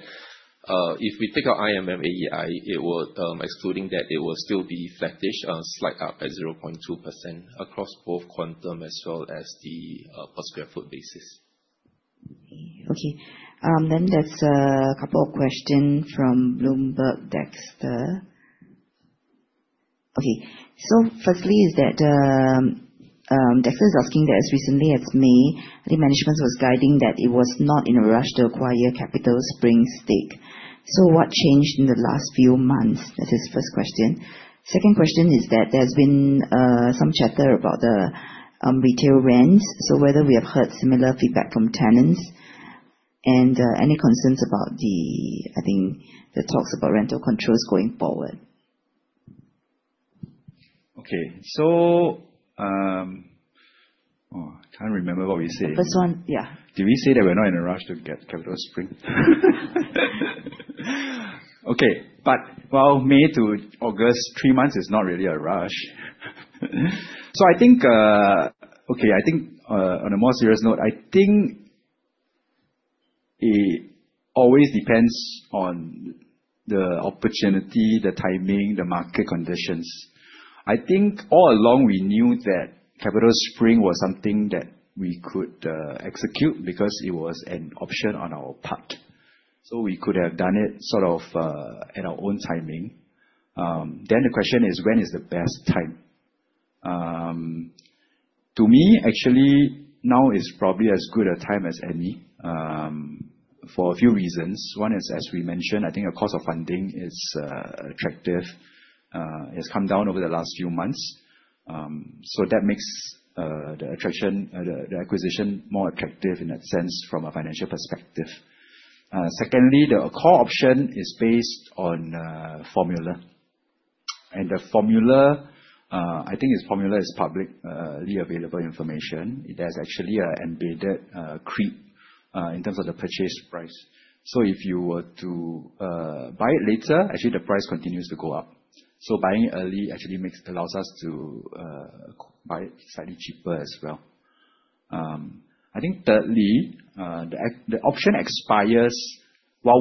If we take out IMM AEI, excluding that, it will still be flattish, slight up at 0.2% across both quantum as well as the per square foot basis. There's a couple of questions from Bloomberg, Dexter. Firstly, Dexter is asking that as recently as May, the management was guiding that it was not in a rush to acquire CapitaSpring stake. What changed in the last few months? That's his first question. Second question is that there's been some chatter about the retail rents. Whether we have heard similar feedback from tenants and any concerns about the talks about rental controls going forward. I can't remember what we said. The first one. Yeah. Did we say that we're not in a rush to get CapitaSpring? Well, May to August, three months is not really a rush. On a more serious note, I think it always depends on the opportunity, the timing, the market conditions. I think all along we knew that CapitaSpring was something that we could execute because it was an option on our part. We could have done it sort of at our own timing. The question is, when is the best time? To me, actually, now is probably as good a time as any, for a few reasons. One is, as we mentioned, I think the cost of funding is attractive. It's come down over the last few months. That makes the acquisition more attractive in that sense from a financial perspective. Secondly, the call option is based on a formula. The formula, I think its formula is publicly available information. It has actually an embedded creep in terms of the purchase price. If you were to buy it later, actually the price continues to go up. Buying it early actually allows us to buy it slightly cheaper as well. I think thirdly, while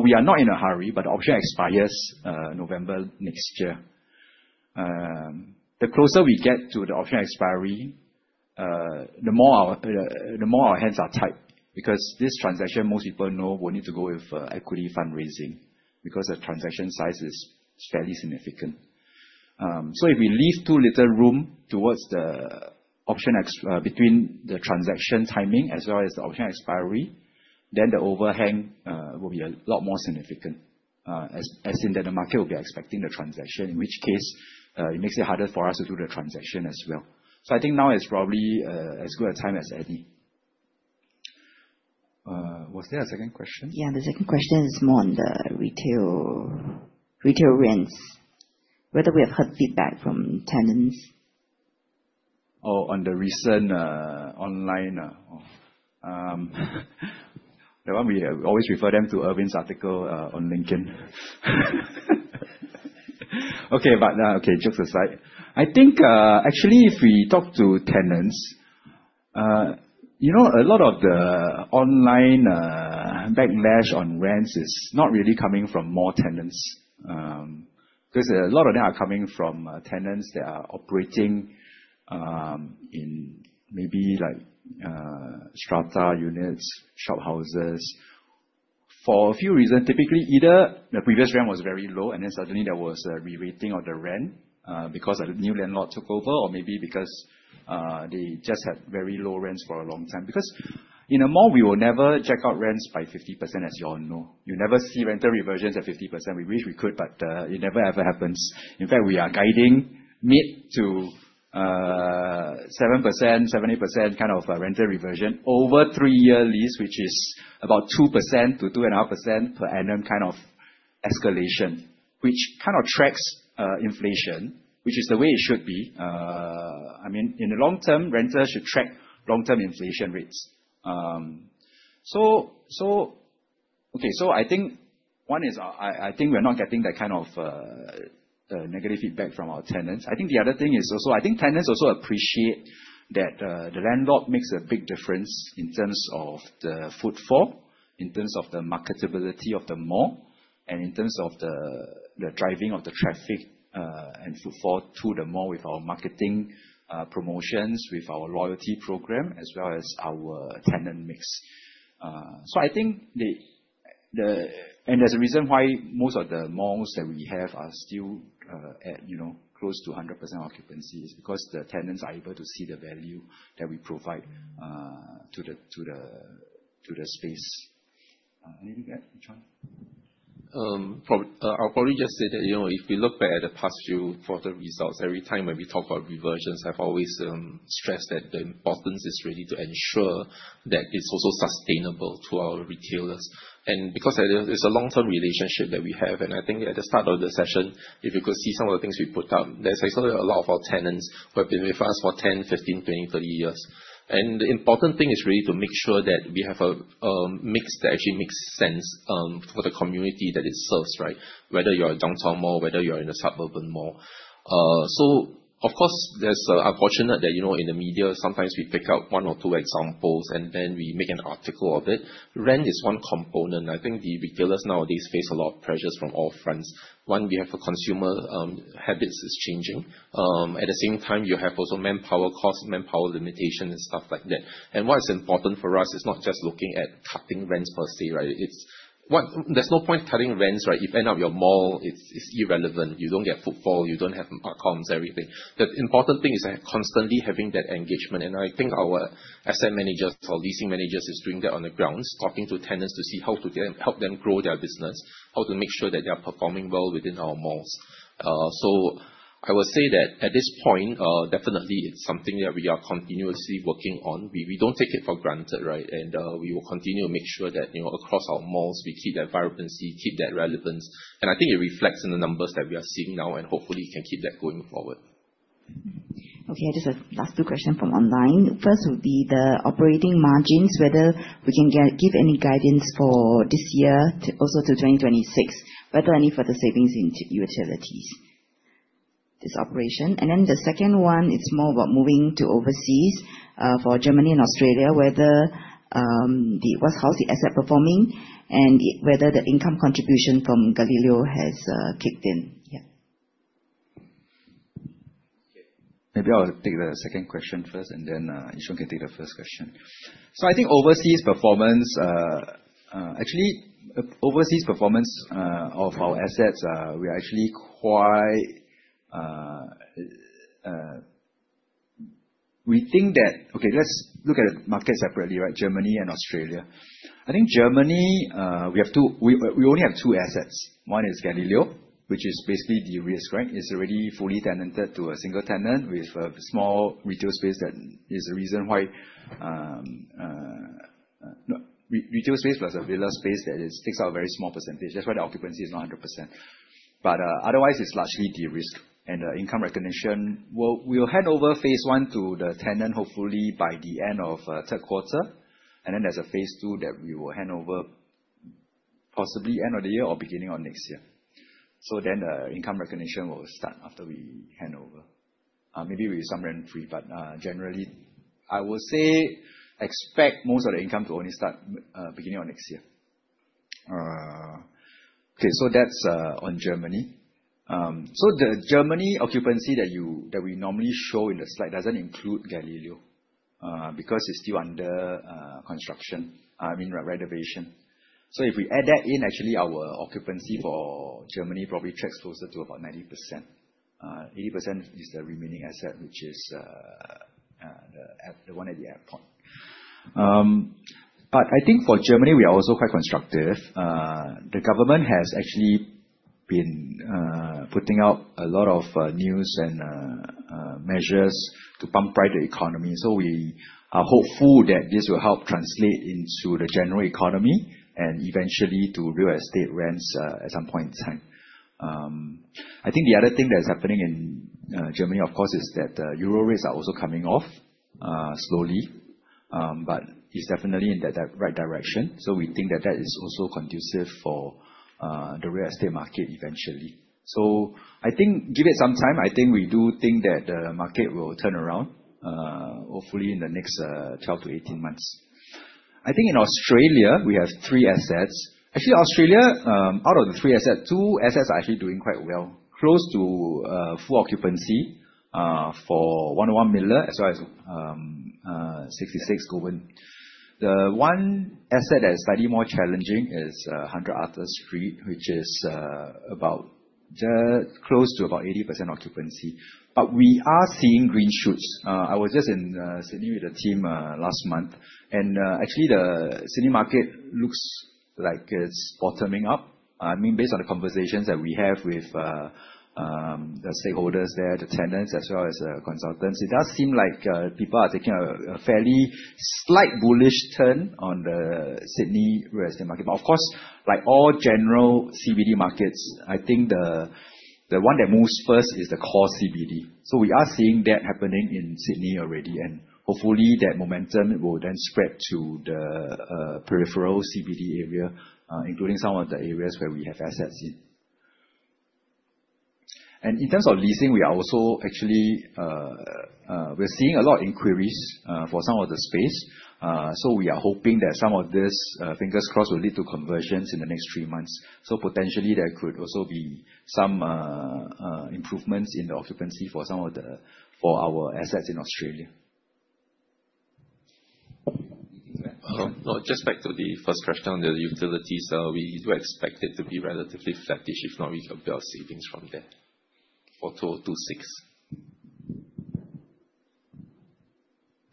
we are not in a hurry, the option expires November next year. The closer we get to the option expiry, the more our hands are tied because this transaction, most people know, will need to go with equity fundraising because the transaction size is fairly significant. If we leave too little room between the transaction timing as well as the option expiry, the overhang will be a lot more significant, as in that the market will be expecting the transaction, in which case, it makes it harder for us to do the transaction as well. I think now is probably as good a time as any. Was there a second question? The second question is more on the retail rents. Whether we have had feedback from tenants. On the recent online. That one we always refer them to Irving's article on LinkedIn. Okay, jokes aside. I think, actually, if we talk to tenants, a lot of the online backlash on rents is not really coming from mall tenants. A lot of them are coming from tenants that are operating in maybe like strata units, shophouses for a few reasons. Typically, either the previous rent was very low and then suddenly there was a re-rating of the rent because a new landlord took over or maybe because they just had very low rents for a long time. In a mall, we will never jack up rents by 50%, as you all know. You never see rental reversions at 50%. We wish we could, but it never, ever happens. In fact, we are guiding mid to 7%, 7.8% kind of rental reversion over three-year lease, which is about 2%-2.5% per annum kind of escalation, which kind of tracks inflation, which is the way it should be. In the long term, renters should track long-term inflation rates. Okay, I think one is, I think we are not getting that kind of negative feedback from our tenants. I think the other thing is also, I think tenants also appreciate that the landlord makes a big difference in terms of the footfall, in terms of the marketability of the mall, and in terms of the driving of the traffic and footfall to the mall with our marketing promotions, with our loyalty program, as well as our tenant mix. There's a reason why most of the malls that we have are still at close to 100% occupancy is because the tenants are able to see the value that we provide to the space. Maybe that, Yi Zhuan? I'll probably just say that if we look back at the past few quarter results, every time when we talk about reversions, I've always stressed that the importance is really to ensure that it's also sustainable to our retailers. Because it's a long-term relationship that we have, I think at the start of the session, if you could see some of the things we put up, there's actually a lot of our tenants who have been with us for 10, 15, 20, 30 years. The important thing is really to make sure that we have a mix that actually makes sense for the community that it serves, right? Whether you're a downtown mall, whether you're in a suburban mall. Of course, it's unfortunate that in the media, sometimes we pick out one or two examples, and then we make an article of it. Rent is one component. I think the retailers nowadays face a lot of pressures from all fronts. One, we have consumer habits is changing. At the same time, you have also manpower costs, manpower limitation and stuff like that. What is important for us is not just looking at cutting rents per se, right? There's no point cutting rents, right? If end up your mall, it's irrelevant. You don't get footfall, you don't have outcomes, everything. The important thing is constantly having that engagement, and I think our asset managers, our leasing managers is doing that on the ground, talking to tenants to see how to help them grow their business, how to make sure that they are performing well within our malls. I will say that at this point, definitely it's something that we are continuously working on. We don't take it for granted, right? We will continue to make sure that across our malls, we keep that vibrancy, keep that relevance. I think it reflects in the numbers that we are seeing now, and hopefully can keep that going forward. Okay. Just the last two question from online. First would be the operating margins, whether we can give any guidance for this year also to 2026, whether any further savings in utilities, this operation? The second one is more about moving to overseas, for Germany and Australia, how's the asset performing and whether the income contribution from Gallileo has kicked in yet? Maybe I'll take the second question first, Yi Zhuan can take the first question. I think overseas performance of our assets, we think that, okay, let's look at the market separately, right? Germany and Australia. I think Germany, we only have two assets. One is Gallileo, which is basically de-risk, right? It's already fully tenanted to a single tenant with a small retail space. Retail space plus a villa space that takes out a very small percentage. That's why the occupancy is not 100%. But otherwise, it's largely de-risk. Income recognition, we'll hand over phase I to the tenant, hopefully by the end of third quarter. Then there's a phase II that we will hand over possibly end of the year or beginning of next year. The income recognition will start after we hand over. Maybe with some rent-free. Generally, I will say expect most of the income to only start beginning of next year. That's on Germany. The Germany occupancy that we normally show in the slide doesn't include Gallileo, because it's still under renovation. If we add that in, actually, our occupancy for Germany probably tracks closer to about 90%. 80% is the remaining asset, which is the one at the airport. I think for Germany, we are also quite constructive. The government has actually been putting out a lot of news and measures to pump-prime the economy. We are hopeful that this will help translate into the general economy and eventually to real estate rents at some point in time. The other thing that's happening in Germany, of course, is that euro rates are also coming off slowly. It's definitely in the right direction. We think that that is also conducive for the real estate market eventually. I think give it some time. We do think that the market will turn around, hopefully in the next 12 to 18 months. In Australia, we have three assets. Actually, Australia, out of the three assets, two assets are actually doing quite well. Close to full occupancy for 101 Miller as well as 66 Goulburn. The one asset that's slightly more challenging is 100 Arthur Street, which is close to about 80% occupancy. We are seeing green shoots. I was just in Sydney with the team last month, and actually the Sydney market looks like it's bottoming up. Based on the conversations that we have with the stakeholders there, the tenants as well as consultants, it does seem like people are taking a fairly slight bullish turn on the Sydney real estate market. Of course, like all general CBD markets, I think the one that moves first is the core CBD. We are seeing that happening in Sydney already, and hopefully that momentum will then spread to the peripheral CBD area, including some of the areas where we have assets in. In terms of leasing, we're seeing a lot of inquiries for some of the space. We are hoping that some of this, fingers crossed, will lead to conversions in the next three months. Potentially there could also be some improvements in the occupancy for our assets in Australia. Just back to the first question on the utilities. We do expect it to be relatively flattish, if not we can build savings from there for 2026?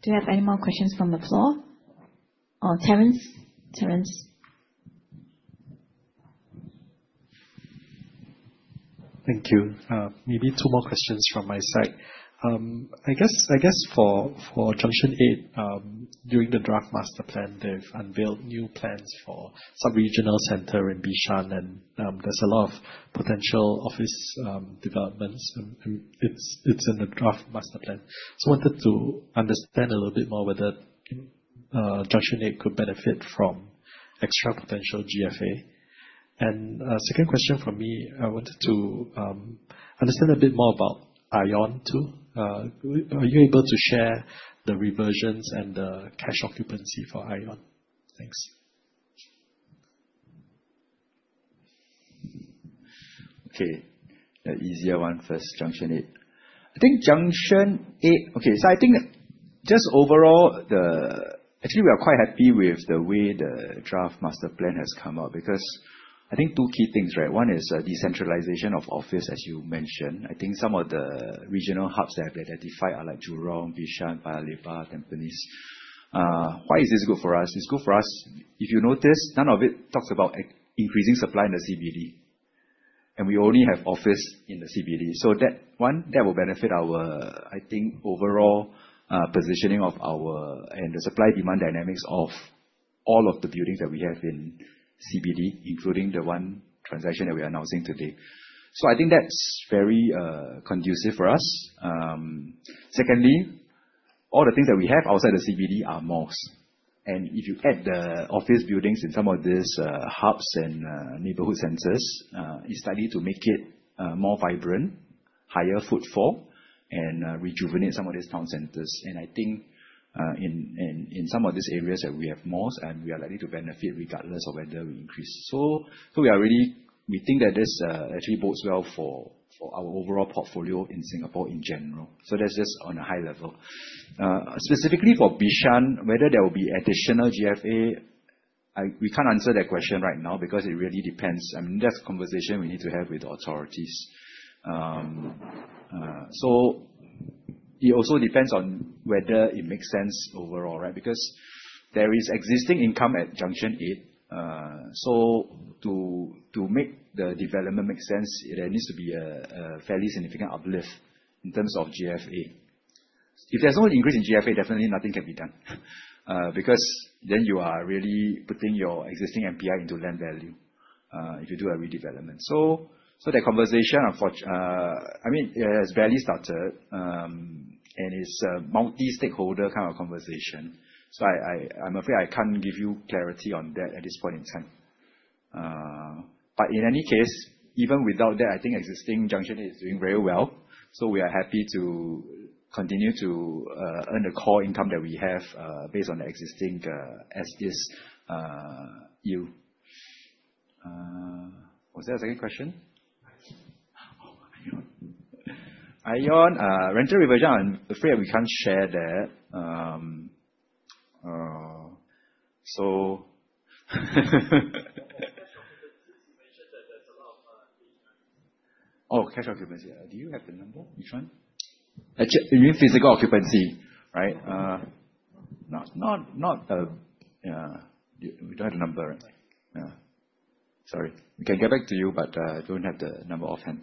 Do you have any more questions from the floor? Terence? Terence? Thank you. Maybe two more questions from my side. I guess for Junction 8, during the Draft Master Plan, they've unveiled new plans for sub-regional center in Bishan, and there's a lot of potential office developments, and it's in the Draft Master Plan. I wanted to understand a little bit more whether Junction 8 could benefit from extra potential GFA. Second question from me, I wanted to understand a bit more about ION too. Are you able to share the reversions and the cash occupancy for ION? Thanks. Okay, the easier one first, Junction 8. I think that just overall, actually we are quite happy with the way the Draft Master Plan has come out because I think two key things, right? One is decentralization of office, as you mentioned. I think some of the regional hubs that have been identified are like Jurong, Bishan, Paya Lebar, Tampines. Why is this good for us? It's good for us, if you notice, none of it talks about increasing supply in the CBD. We only have office in the CBD. That one, that will benefit our, I think, overall positioning of our, and the supply-demand dynamics of all of the buildings that we have in CBD, including the one transaction that we are announcing today. I think that's very conducive for us. Secondly, all the things that we have outside the CBD are malls. If you add the office buildings in some of these hubs and neighborhood centers, it's likely to make it more vibrant, higher footfall, and rejuvenate some of these town centers. I think, in some of these areas that we have malls, and we are likely to benefit regardless of whether we increase. We think that this actually bodes well for our overall portfolio in Singapore in general. That's just on a high level. Specifically for Bishan, whether there will be additional GFA, we can't answer that question right now because it really depends, and that's a conversation we need to have with the authorities. It also depends on whether it makes sense overall, right? Because there is existing income at Junction 8. To make the development make sense, there needs to be a fairly significant uplift in terms of GFA. If there's no increase in GFA, definitely nothing can be done because then you are really putting your existing NPI into land value, if you do a redevelopment. That conversation, it has barely started, and it's a multi-stakeholder kind of conversation. I'm afraid I can't give you clarity on that at this point in time. In any case, even without that, I think existing Junction is doing very well. We are happy to continue to earn the core income that we have, based on the existing, as is yield. Was there a second question? ION. ION, rental reversion, I'm afraid we can't share that. The cash occupancy, you mentioned that there's a lot of lease variance. Cash occupancy. Do you have the number, Yi Zhuan? You mean physical occupancy, right? Yeah. We don't have the number. Okay. Yeah. Sorry. We can get back to you, but I don't have the number offhand.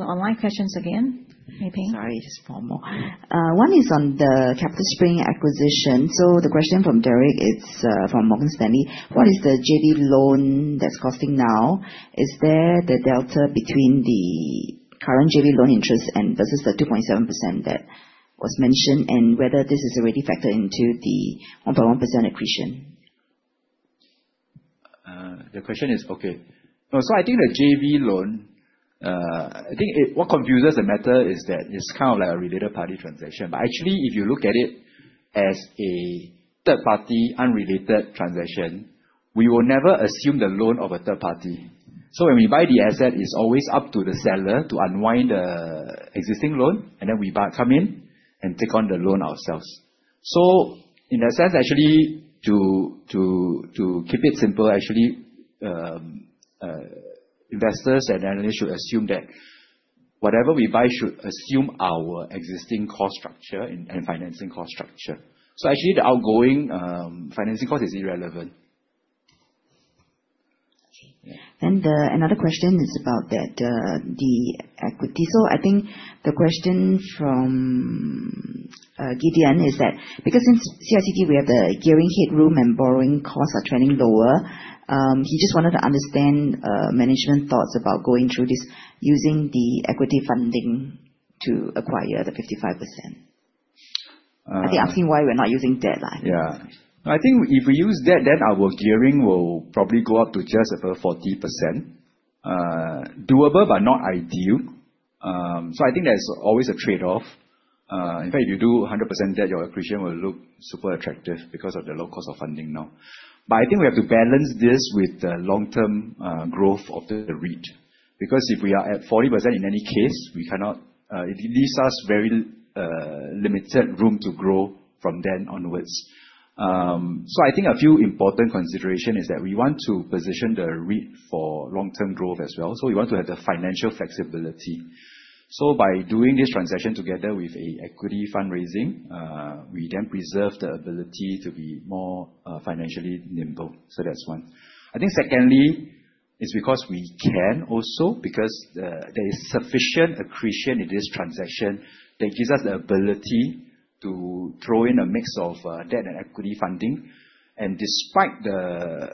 Online questions again. Mei Peng. Sorry, just four more. One is on the CapitaSpring acquisition. The question from Derek is, from Morgan Stanley, what is the JV loan that's costing now? Is there the delta between the current JV loan interest and versus the 2.7% that was mentioned, and whether this is already factored into the 1.1% accretion? The question is. I think the JV loan, I think what confuses the matter is that it's kind of like an interested party transaction. Actually, if you look at it as a third-party, unrelated transaction, we will never assume the loan of a third party. When we buy the asset, it's always up to the seller to unwind the existing loan, and then we come in and take on the loan ourselves. In that sense actually, to keep it simple, actually, investors and analysts should assume that whatever we buy should assume our existing cost structure, and financing cost structure. Actually, the outgoing financing cost is irrelevant. Another question is about the equity. I think the question from Gideon is that, because since CICT, we have the gearing headroom and borrowing costs are trending lower, he just wanted to understand management thoughts about going through this using the equity funding to acquire the 55%. I think asking why we're not using debt. I think if we use debt, then our gearing will probably go up to just above 40%. Doable, but not ideal. I think there's always a trade-off. In fact, if you do 100% debt, your accretion will look super attractive because of the low cost of funding now. I think we have to balance this with the long-term growth of the REIT. Because if we are at 40% in any case, it leaves us very limited room to grow from then onwards. I think a few important consideration is that we want to position the REIT for long-term growth as well. We want to have the financial flexibility. By doing this transaction together with an equity fundraising, we then preserve the ability to be more financially nimble. That's one. I think secondly, it's because we can also because there is sufficient accretion in this transaction that gives us the ability to throw in a mix of debt and equity funding. Despite the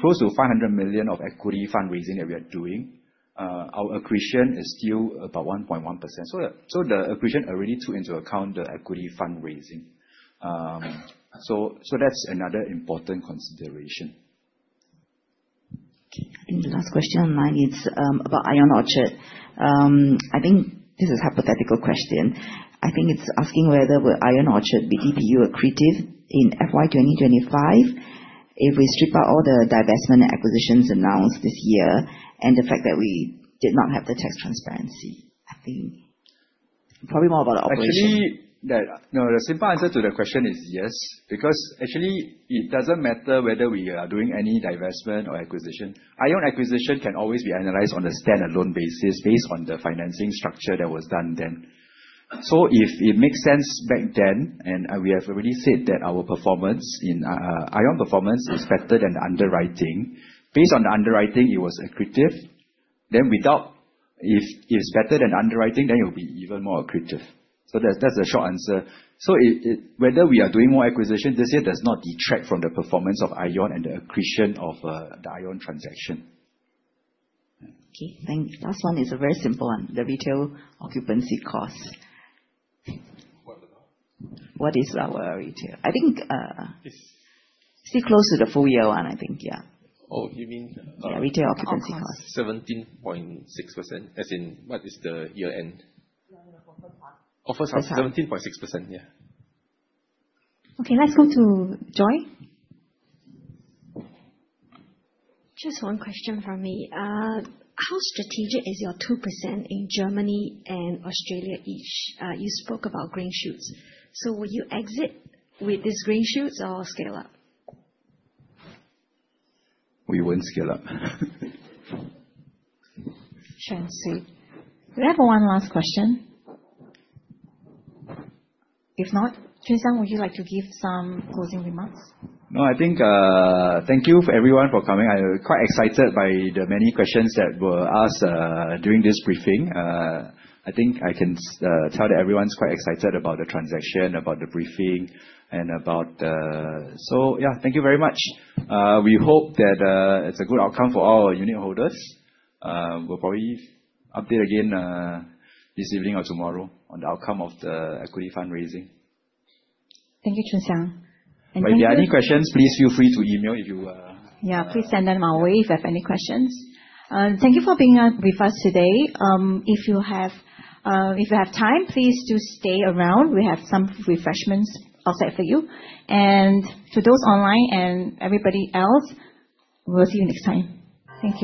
close to 500 million of equity fundraising that we are doing, our accretion is still about 1.1%. The accretion already took into account the equity fundraising. That's another important consideration. Okay. The last question online is about ION Orchard. I think this is a hypothetical question. I think it is asking whether will ION Orchard be DPU accretive in FY 2025 if we strip out all the divestment acquisitions announced this year, and the fact that we did not have the tax transparency. I think probably more about the operation. Actually, no. The simple answer to the question is yes. Actually it doesn't matter whether we are doing any divestment or acquisition. ION acquisition can always be analyzed on a standalone basis based on the financing structure that was done then. If it makes sense back then, and we have already said that our performance in ION performance is better than underwriting. Based on the underwriting, it was accretive, then if it's better than underwriting, then it will be even more accretive. That's the short answer. Whether we are doing more acquisition this year does not detract from the performance of ION and the accretion of the ION transaction. Okay, thank you. Last one is a very simple one. The retail occupancy cost. What about? What is our retail? I think still close to the full year one. Yeah. Oh, you mean- Yeah, retail occupancy cost. 17.6%. As in what is the year end. Oh, first half, 17.6%. Yeah. Okay, let's go to Joy. Just one question from me. How strategic is your 2% in Germany and Australia each? You spoke about green shoots, will you exit with these green shoots or scale up? We wouldn't scale up. Sure. Sweet. We have one last question. If not, Choon Siang, would you like to give some closing remarks? I think thank you everyone for coming. I was quite excited by the many questions that were asked during this briefing. I think I can tell that everyone's quite excited about the transaction, about the briefing, and yeah, thank you very much. We hope that it's a good outcome for all our unitholders. We'll probably update again this evening or tomorrow on the outcome of the equity fundraising. Thank you, Choon Siang. If there are any questions, please feel free to email. Yeah, please send them our way if you have any questions. Thank you for being with us today. If you have time, please do stay around. We have some refreshments outside for you. To those online and everybody else, we'll see you next time. Thank you